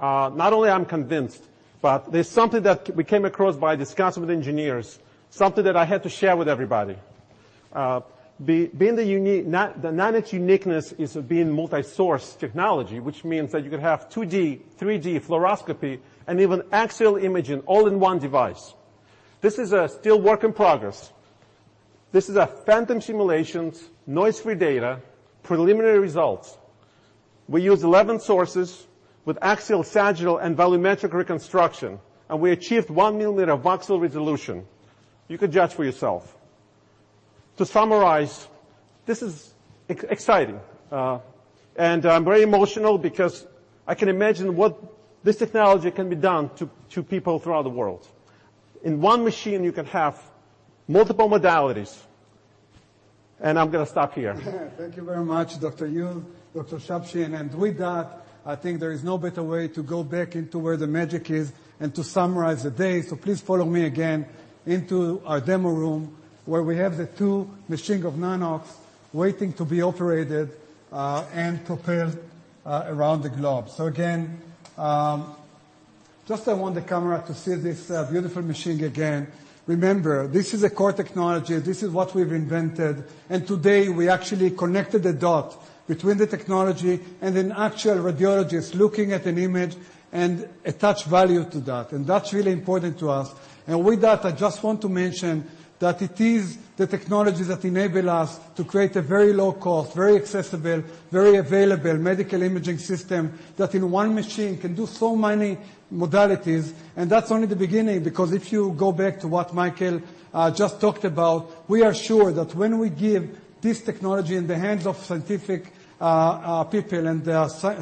Not only am I convinced, but there's something that we came across by discussing with engineers, something that I had to share with everybody. The Nano-X's uniqueness is of being multi-source technology, which means that you could have 2D, 3D, fluoroscopy, and even axial imaging all in one device. This is still a work in progress. This is a phantom simulations, noise-free data, preliminary results. We use 11 sources with axial, sagittal, and volumetric reconstruction. And we achieved one millimeter voxel resolution. You can judge for yourself. To summarize, this is exciting. And I'm very emotional because I can imagine what this technology can be done to people throughout the world. In one machine, you can have multiple modalities. And I'm going to stop here. Thank you very much, Dr. Yuz, Dr. Shabshin. And with that, I think there is no better way to go back into where the magic is and to summarize the day. So please follow me again into our demo room where we have the two machines of Nano-X waiting to be operated and propelled around the globe. So again, just I want the camera to see this beautiful machine again. Remember, this is a core technology. This is what we've invented. And today, we actually connected the dot between the technology and an actual radiologist looking at an image and attached value to that. And that's really important to us. And with that, I just want to mention that it is the technology that enables us to create a very low-cost, very accessible, very available medical imaging system that in one machine can do so many modalities. And that's only the beginning because if you go back to what Michael just talked about, we are sure that when we give this technology in the hands of scientific people and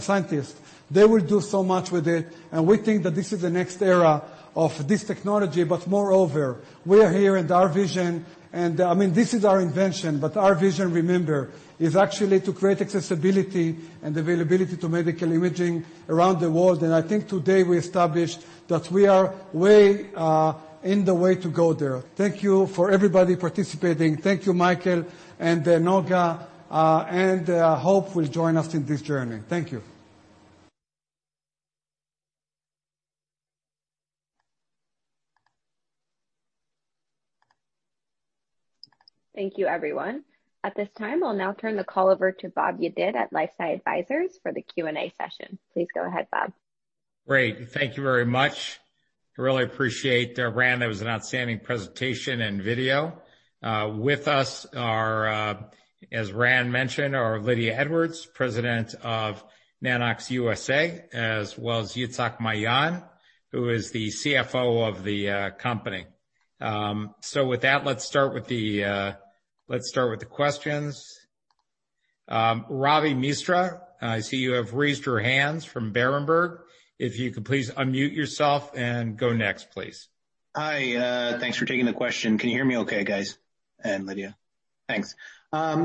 scientists, they will do so much with it. And we think that this is the next era of this technology. But moreover, we are here and our vision, and I mean, this is our invention, but our vision, remember, is actually to create accessibility and availability to medical imaging around the world. And I think today we established that we are way in the way to go there. Thank you for everybody participating. Thank you, Michael and Noga. I hope we'll join us in this journey. Thank you. Thank you, everyone. At this time, I'll now turn the call over to Bob Yedid at LifeSci Advisors for the Q&A session. Please go ahead, Bob. Great. Thank you very much. I really appreciate Ran's outstanding presentation and video. With us are, as Ran mentioned, Lydia Edwards, President of Nano-X USA, as well as Itzhak Maayan, who is the CFO of the company. So with that, let's start with the questions. Ravi Misra, I see you have raised your hand from Berenberg. If you could please unmute yourself and go next, please. Hi. Thanks for taking the question. Can you hear me okay, guys? And Lydia. Thanks.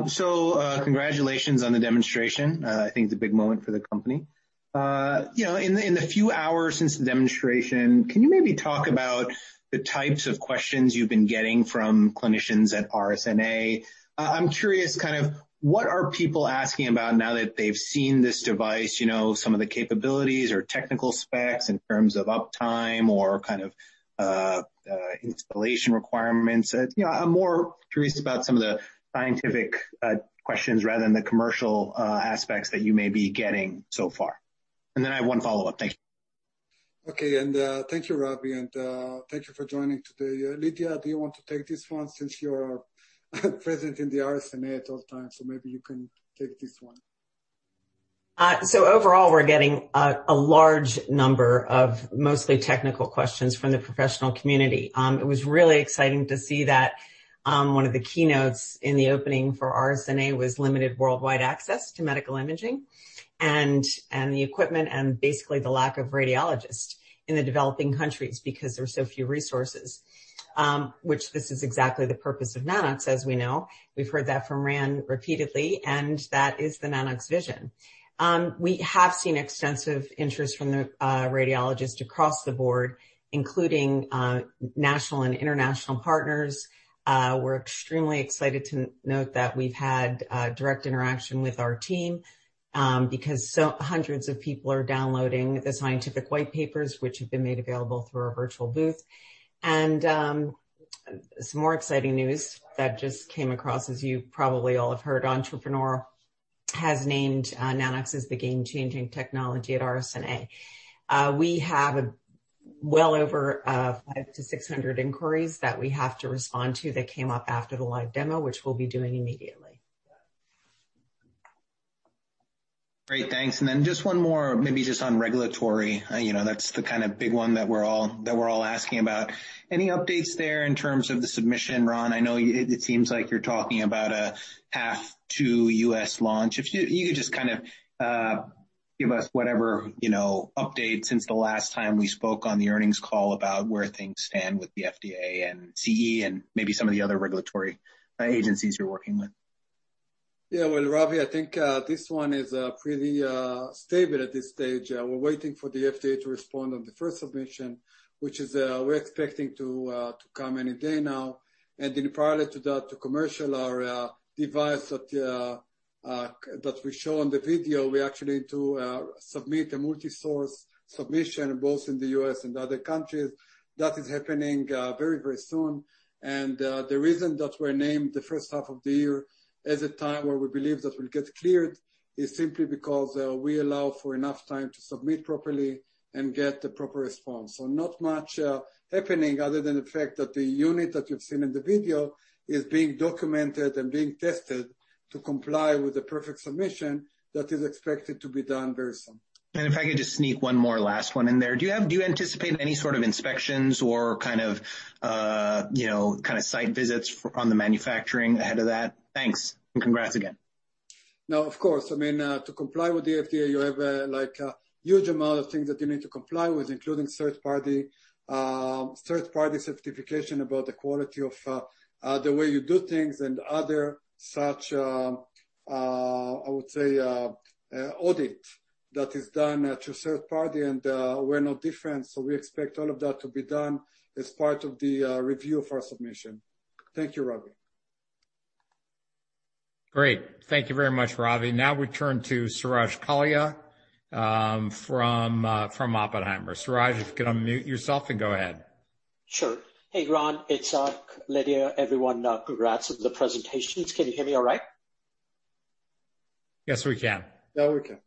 So congratulations on the demonstration. I think it's a big moment for the company. In the few hours since the demonstration, can you maybe talk about the types of questions you've been getting from clinicians at RSNA? I'm curious kind of what are people asking about now that they've seen this device, some of the capabilities or technical specs in terms of uptime or kind of installation requirements. I'm more curious about some of the scientific questions rather than the commercial aspects that you may be getting so far. And then I have one follow-up. Thank you. Okay. And thank you, Ravi. And thank you for joining today. Lydia, do you want to take this one since you're presenting at RSNA all the time? So maybe you can take this one. So overall, we're getting a large number of mostly technical questions from the professional community. It was really exciting to see that one of the keynotes in the opening for RSNA was limited worldwide access to medical imaging and the equipment and basically the lack of radiologists in the developing countries because there are so few resources, which this is exactly the purpose of Nano-X, as we know. We've heard that from Ran repeatedly, and that is the Nano-X vision. We have seen extensive interest from the radiologists across the board, including national and international partners. We're extremely excited to note that we've had direct interaction with our team because hundreds of people are downloading the scientific white papers, which have been made available through our virtual booth, and some more exciting news that just came across, as you probably all have heard, Entrepreneur has named Nano-X as the game-changing technology at RSNA. We have well over 500-600 inquiries that we have to respond to that came up after the live demo, which we'll be doing immediately. Great. Thanks. And then just one more, maybe just on regulatory. That's the kind of big one that we're all asking about. Any updates there in terms of the submission, Ran? I know it seems like you're talking about a half to US launch. If you could just kind of give us whatever updates since the last time we spoke on the earnings call about where things stand with the FDA and CE and maybe some of the other regulatory agencies you're working with. Yeah. Well, Ravi, I think this one is pretty stable at this stage. We're waiting for the FDA to respond on the first submission, which we're expecting to come any day now. Then prior to that, the commercial device that we show on the video, we actually need to submit a multi-source submission both in the U.S. and other countries. That is happening very, very soon. The reason that we're named the first half of the year as a time where we believe that we'll get cleared is simply because we allow for enough time to submit properly and get the proper response. So not much happening other than the fact that the unit that you've seen in the video is being documented and being tested to comply with the perfect submission that is expected to be done very soon. And if I could just sneak one more last one in there. Do you anticipate any sort of inspections or kind of site visits on the manufacturing ahead of that? Thanks. And congrats again. No, of course. I mean, to comply with the FDA, you have a huge amount of things that you need to comply with, including third-party certification about the quality of the way you do things and other such, I would say, audit that is done to a third party. And we're no different. So we expect all of that to be done as part of the review of our submission. Thank you, Ravi. Great. Thank you very much, Ravi. Now we turn to Suraj Kalia from Oppenheimer. Suraj, if you could unmute yourself and go ahead. Sure. Hey, Ran. It's Lydia. Everyone, congrats on the presentations. Can you hear me all right? Yes, we can. Yeah, we can.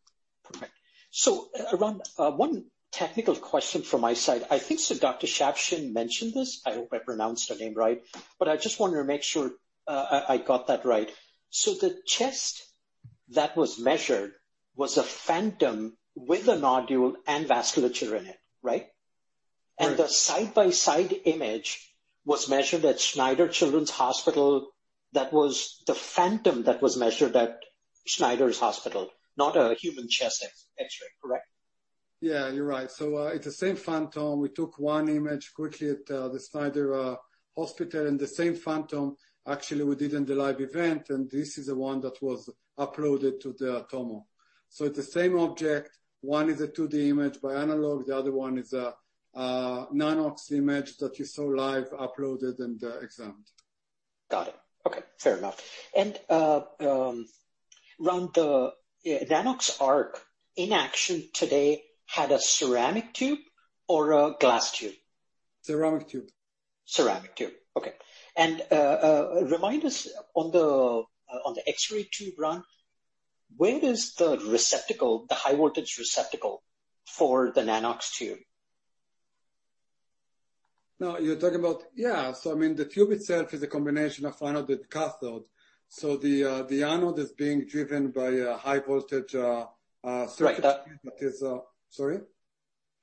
Perfect. So, Ran, one technical question from my side. I think Dr. Shabshin mentioned this. I hope I pronounced her name right. But I just wanted to make sure I got that right. So the chest that was measured was a phantom with a nodule and vasculature in it, right? And the side-by-side image was measured at Schneider Children's Hospital. That was the phantom that was measured at Schneider Hospital, not a human chest X-ray, correct? Yeah, you're right. So it's the same phantom. We took one image quickly at the Schneider Hospital. And the same phantom, actually, we did in the live event. And this is the one that was uploaded to the tomo. So it's the same object. One is a 2D image by analog. The other one is a Nano-X image that you saw live uploaded and examined. Got it. Okay. Fair enough. And, Ran, the Nanox.ARC in action today had a ceramic tube or a glass tube? Ceramic tube. Ceramic tube. Okay. Remind us on the X-ray tube, Ran, where is the receptacle, the high-voltage receptacle for the Nano-X tube? No, you're talking about, yeah. So I mean, the tube itself is a combination of anode and cathode. So the anode is being driven by a high-voltage circuit that is, sorry?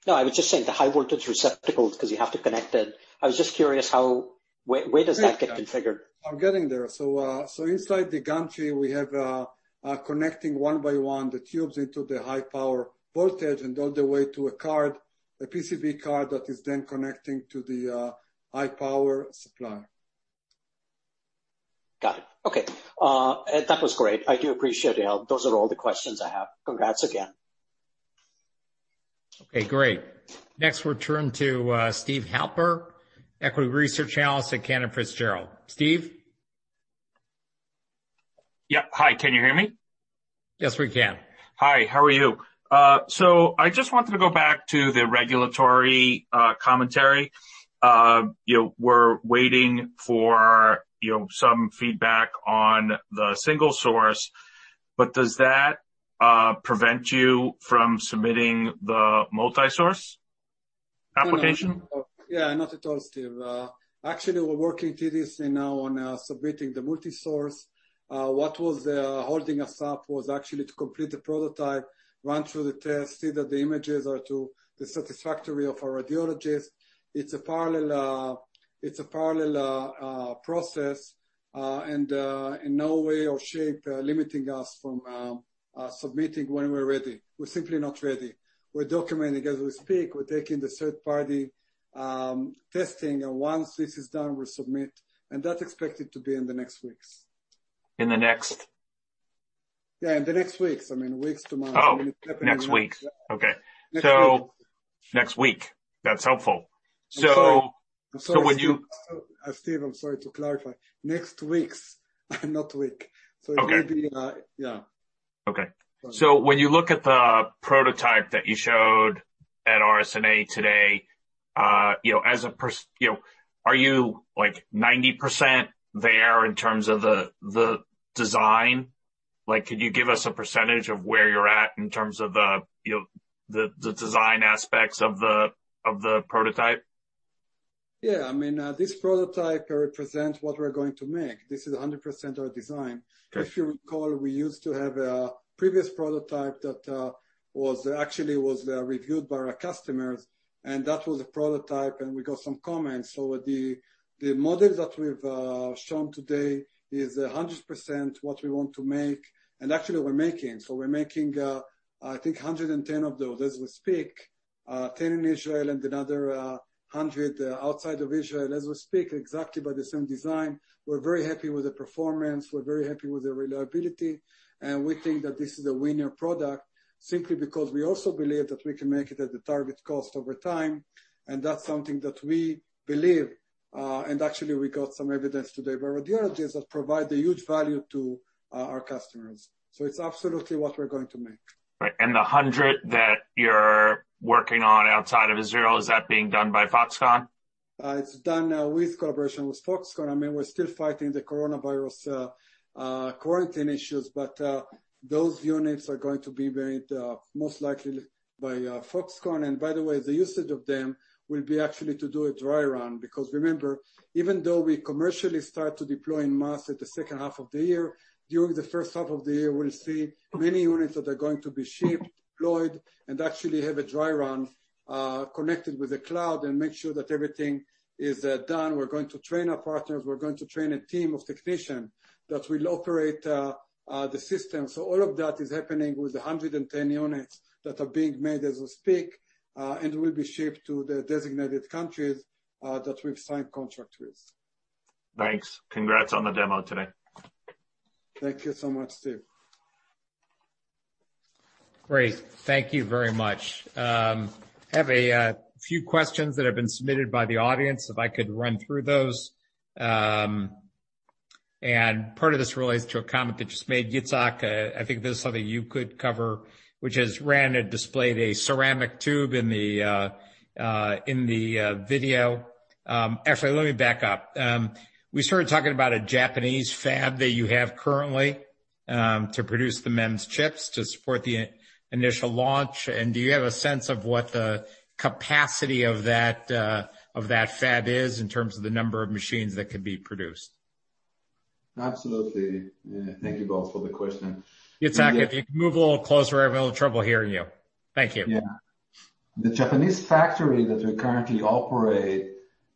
No, I was just saying the high-voltage receptacle because you have to connect it. I was just curious how where does that get configured? I'm getting there. So inside the gantry, we have connecting one by one the tubes into the high-power voltage and all the way to a card, a PCB card that is then connecting to the high-power supply. Got it. Okay. That was great. I do appreciate the help. Those are all the questions I have. Congrats again. Okay. Great. Next, we'll turn to Steve Halper, Equity Research Analyst at Cantor Fitzgerald. Steve? Yep. Hi. Can you hear me? Yes, we can. Hi. How are you? So I just wanted to go back to the regulatory commentary. We're waiting for some feedback on the single source. But does that prevent you from submitting the multi-source application? Yeah, not at all, Steve. Actually, we're working seriously now on submitting the multi-source. What was holding us up was actually to complete the prototype, run through the test, see that the images are to the satisfaction of our radiologist. It's a parallel process and in no way or shape limiting us from submitting when we're ready. We're simply not ready. We're documenting as we speak. We're taking the third-party testing. And once this is done, we'll submit. And that's expected to be in the next weeks. In the next? Yeah, in the next weeks. I mean, weeks to months. Next week. Okay. So next week. That's helpful. So would you? Steve, I'm sorry to clarify. Next weeks, not week. So it may be yeah. Okay. So when you look at the prototype that you showed at RSNA today, are you 90% there in terms of the design? Could you give us a percentage of where you're at in terms of the design aspects of the prototype? Yeah. I mean, this prototype represents what we're going to make. This is 100% our design. If you recall, we used to have a previous prototype that actually was reviewed by our customers. And that was a prototype. And we got some comments. So the model that we've shown today is 100% what we want to make. And actually, we're making, I think, 110 of those as we speak, 10 in Israel and another 100 outside of Israel as we speak, exactly by the same design. We're very happy with the performance. We're very happy with the reliability. And we think that this is a winner product simply because we also believe that we can make it at the target cost over time. And that's something that we believe. And actually, we got some evidence today by radiologists that provide a huge value to our customers. So it's absolutely what we're going to make. Right. And the 100 that you're working on outside of Israel, is that being done by Foxconn? It's done with collaboration with Foxconn. I mean, we're still fighting the coronavirus quarantine issues. But those units are going to be made most likely by Foxconn. And by the way, the usage of them will be actually to do a dry run. Because remember, even though we commercially start to deploy in mass at the second half of the year, during the first half of the year, we'll see many units that are going to be shipped, deployed, and actually have a dry run connected with the cloud and make sure that everything is done. We're going to train our partners. We're going to train a team of technicians that will operate the system. So all of that is happening with 110 units that are being made as we speak and will be shipped to the designated countries that we've signed contracts with. Thanks. Congrats on the demo today. Thank you so much, Steve. Great. Thank you very much. I have a few questions that have been submitted by the audience. If I could run through those, and part of this relates to a comment that you just made, Itzhak. I think this is something you could cover, which is Ran had displayed a ceramic tube in the video. Actually, let me back up. We started talking about a Japanese fab that you have currently to produce the MEMS chips to support the initial launch. And do you have a sense of what the capacity of that fab is in terms of the number of machines that could be produced? Absolutely. Thank you Bob for the question. Itzhak, if you could move a little closer, I have a little trouble hearing you. Thank you. Yeah. The Japanese factory that we currently operate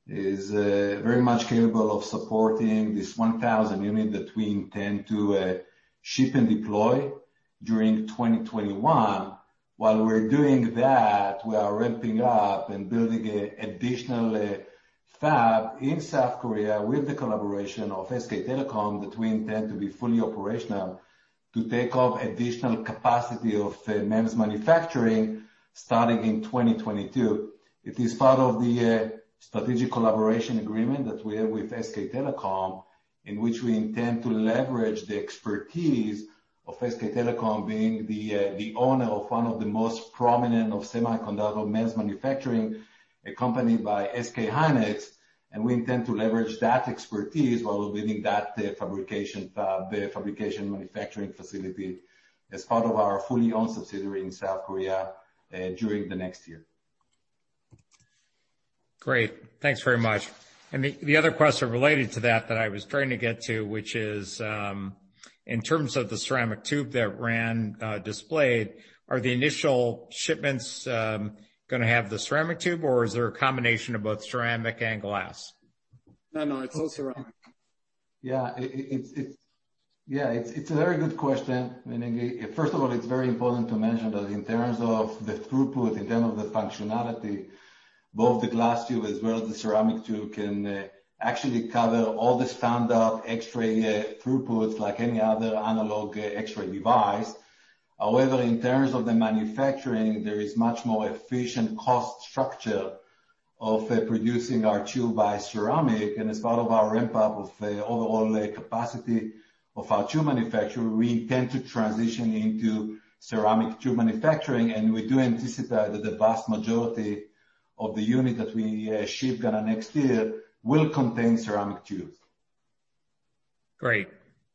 is very much capable of supporting this 1,000 units that we intend to ship and deploy during 2021. While we're doing that, we are ramping up and building an additional fab in South Korea with the collaboration of SK Telecom that we intend to be fully operational to take on additional capacity of MEMS manufacturing starting in 2022. It is part of the strategic collaboration agreement that we have with SK Telecom, in which we intend to leverage the expertise of SK Telecom being the owner of one of the most prominent semiconductor MEMS manufacturing, accompanied by SK hynix. We intend to leverage that expertise while building that fabrication manufacturing facility as part of our fully-owned subsidiary in South Korea during the next year. Great. Thanks very much. The other question related to that that I was trying to get to, which is in terms of the ceramic tube that Ran displayed, are the initial shipments going to have the ceramic tube, or is there a combination of both ceramic and glass? No, no. It's all ceramic. Yeah. Yeah. It's a very good question. First of all, it's very important to mention that in terms of the throughput, in terms of the functionality, both the glass tube as well as the ceramic tube can actually cover all the standard X-ray throughputs like any other analog X-ray device. However, in terms of the manufacturing, there is much more efficient cost structure of producing our tube by ceramic. And as part of our ramp-up of overall capacity of our tube manufacturer, we intend to transition into ceramic tube manufacturing. We do anticipate that the vast majority of the units that we ship next year will contain ceramic tubes. Great.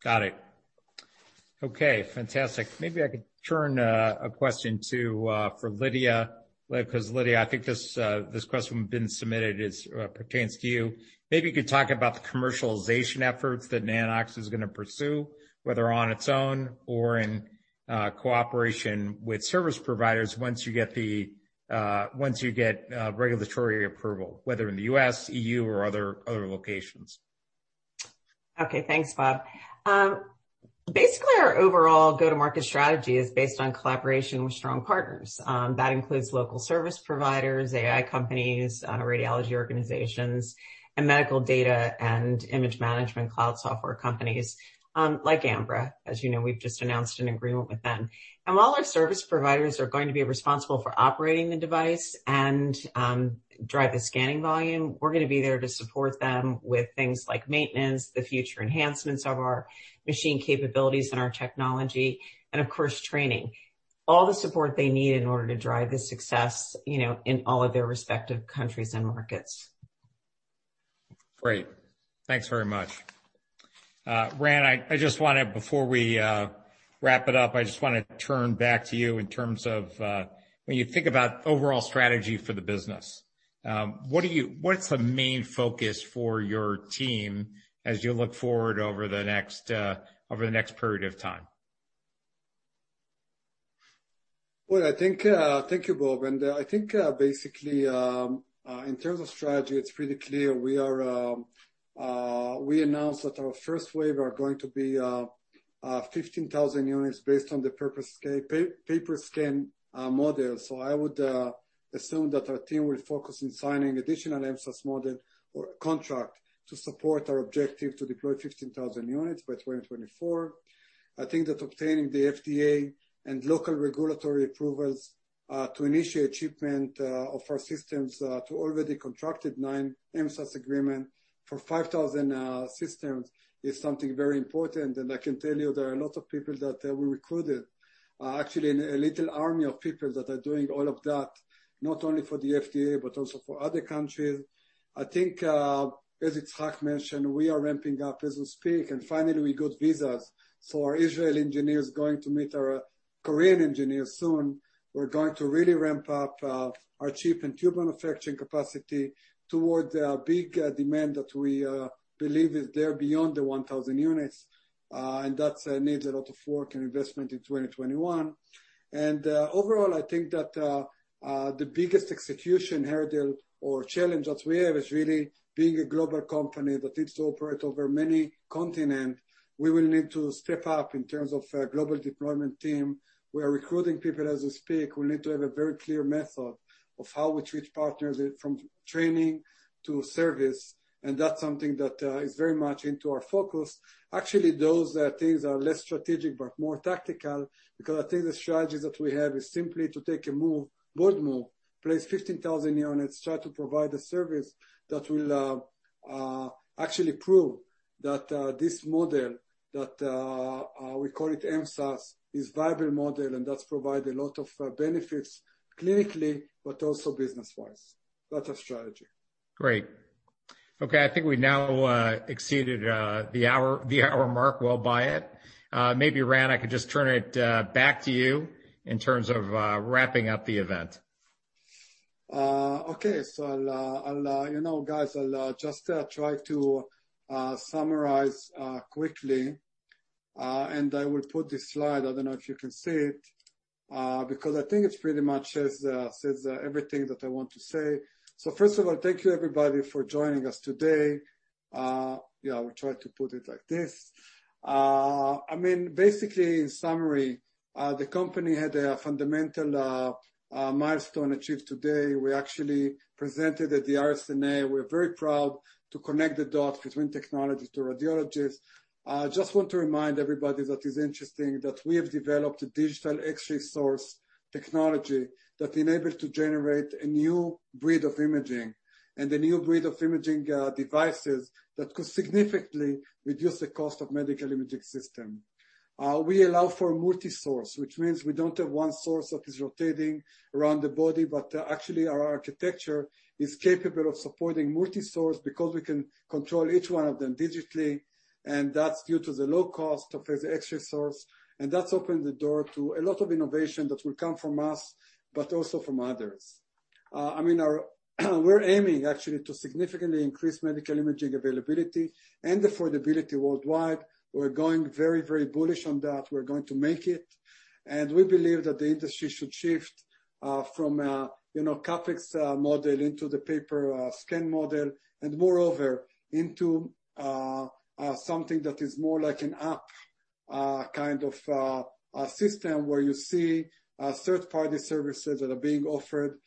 Got it. Okay. Fantastic. Maybe I could turn a question to Lydia because Lydia, I think this question that's been submitted pertains to you. Maybe you could talk about the commercialization efforts that Nano-X is going to pursue, whether on its own or in cooperation with service providers once you get regulatory approval, whether in the U.S., E.U., or other locations. Okay. Thanks, Bob. Basically, our overall go-to-market strategy is based on collaboration with strong partners. That includes local service providers, AI companies, radiology organizations, and medical data and image management cloud software companies like Ambra. As you know, we've just announced an agreement with them. While our service providers are going to be responsible for operating the device and drive the scanning volume, we're going to be there to support them with things like maintenance, the future enhancements of our machine capabilities and our technology, and of course, training, all the support they need in order to drive the success in all of their respective countries and markets. Great. Thanks very much. Ran, I just wanted before we wrap it up, I just want to turn back to you in terms of when you think about overall strategy for the business, what's the main focus for your team as you look forward over the next period of time? I think thank you Bob. I think basically, in terms of strategy, it's pretty clear. We announced that our first wave are going to be 15,000 units based on the pay-per-scan model. So I would assume that our team will focus on signing additional MSaaS model or contract to support our objective to deploy 15,000 units by 2024. I think that obtaining the FDA and local regulatory approvals to initiate shipment of our systems to already contracted nine MSaaS agreements for 5,000 systems is something very important. And I can tell you there are lots of people that we recruited, actually a little army of people that are doing all of that, not only for the FDA but also for other countries. I think, as Itzhak mentioned, we are ramping up as we speak. And finally, we got visas. So our Israeli engineers are going to meet our Korean engineers soon. We're going to really ramp up our chip and tube manufacturing capacity toward the big demand that we believe is there beyond the 1,000 units. That needs a lot of work and investment in 2021. Overall, I think that the biggest execution hurdle or challenge that we have is really being a global company that needs to operate over many continents. We will need to step up in terms of a global deployment team. We are recruiting people as we speak. We need to have a very clear method of how we treat partners from training to service. And that's something that is very much into our focus. Actually, those things are less strategic but more tactical because I think the strategy that we have is simply to take a bold move, place 15,000 units, try to provide a service that will actually prove that this model that we call it MSaaS is a viable model and that's provided a lot of benefits clinically but also business-wise. That's our strategy. Great. Okay. I think we now exceeded the hour mark. We'll buy it. Maybe Ran, I could just turn it back to you in terms of wrapping up the event. Okay. So guys, I'll just try to summarize quickly, and I will put this slide. I don't know if you can see it because I think it pretty much says everything that I want to say, so first of all, thank you, everybody, for joining us today. Yeah, I will try to put it like this. I mean, basically, in summary, the company had a fundamental milestone achieved today. We actually presented at the RSNA. We are very proud to connect the dots between technology to radiologists. I just want to remind everybody that it's interesting that we have developed a digital X-ray source technology that enables us to generate a new breed of imaging and a new breed of imaging devices that could significantly reduce the cost of medical imaging systems. We allow for multi-source, which means we don't have one source that is rotating around the body, but actually, our architecture is capable of supporting multi-source because we can control each one of them digitally, and that's due to the low cost of the X-ray source, and that's opened the door to a lot of innovation that will come from us but also from others. I mean, we're aiming actually to significantly increase medical imaging availability and affordability worldwide. We're going very, very bullish on that. We're going to make it. We believe that the industry should shift from a CapEx model into the pay-per-scan model and moreover into something that is more like an app kind of system where you see third-party services that are being offered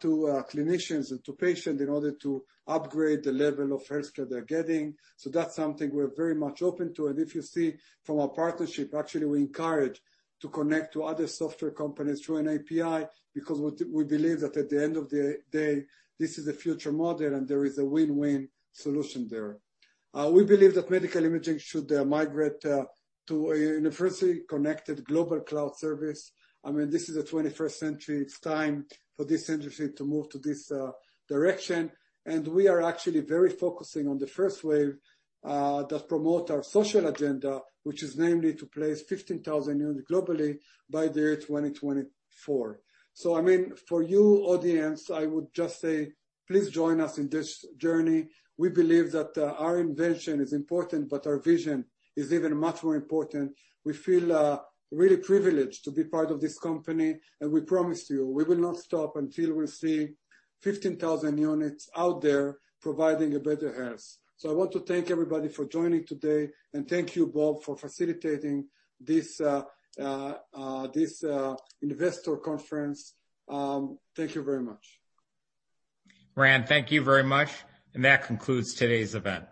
to clinicians and to patients in order to upgrade the level of healthcare they're getting. So that's something we're very much open to. And if you see from our partnership, actually, we encourage to connect to other software companies through an API because we believe that at the end of the day, this is a future model and there is a win-win solution there. We believe that medical imaging should migrate to a universally connected global cloud service. I mean, this is the 21st century. It's time for this industry to move to this direction. We are actually very focusing on the first wave that promotes our social agenda, which is namely to place 15,000 units globally by the year 2024. So I mean, for you, audience, I would just say, please join us in this journey. We believe that our invention is important, but our vision is even much more important. We feel really privileged to be part of this company. And we promise you, we will not stop until we see 15,000 units out there providing better health. So I want to thank everybody for joining today. And thank you, Bob, for facilitating this investor conference. Thank you very much. Ran, thank you very much. And that concludes today's event.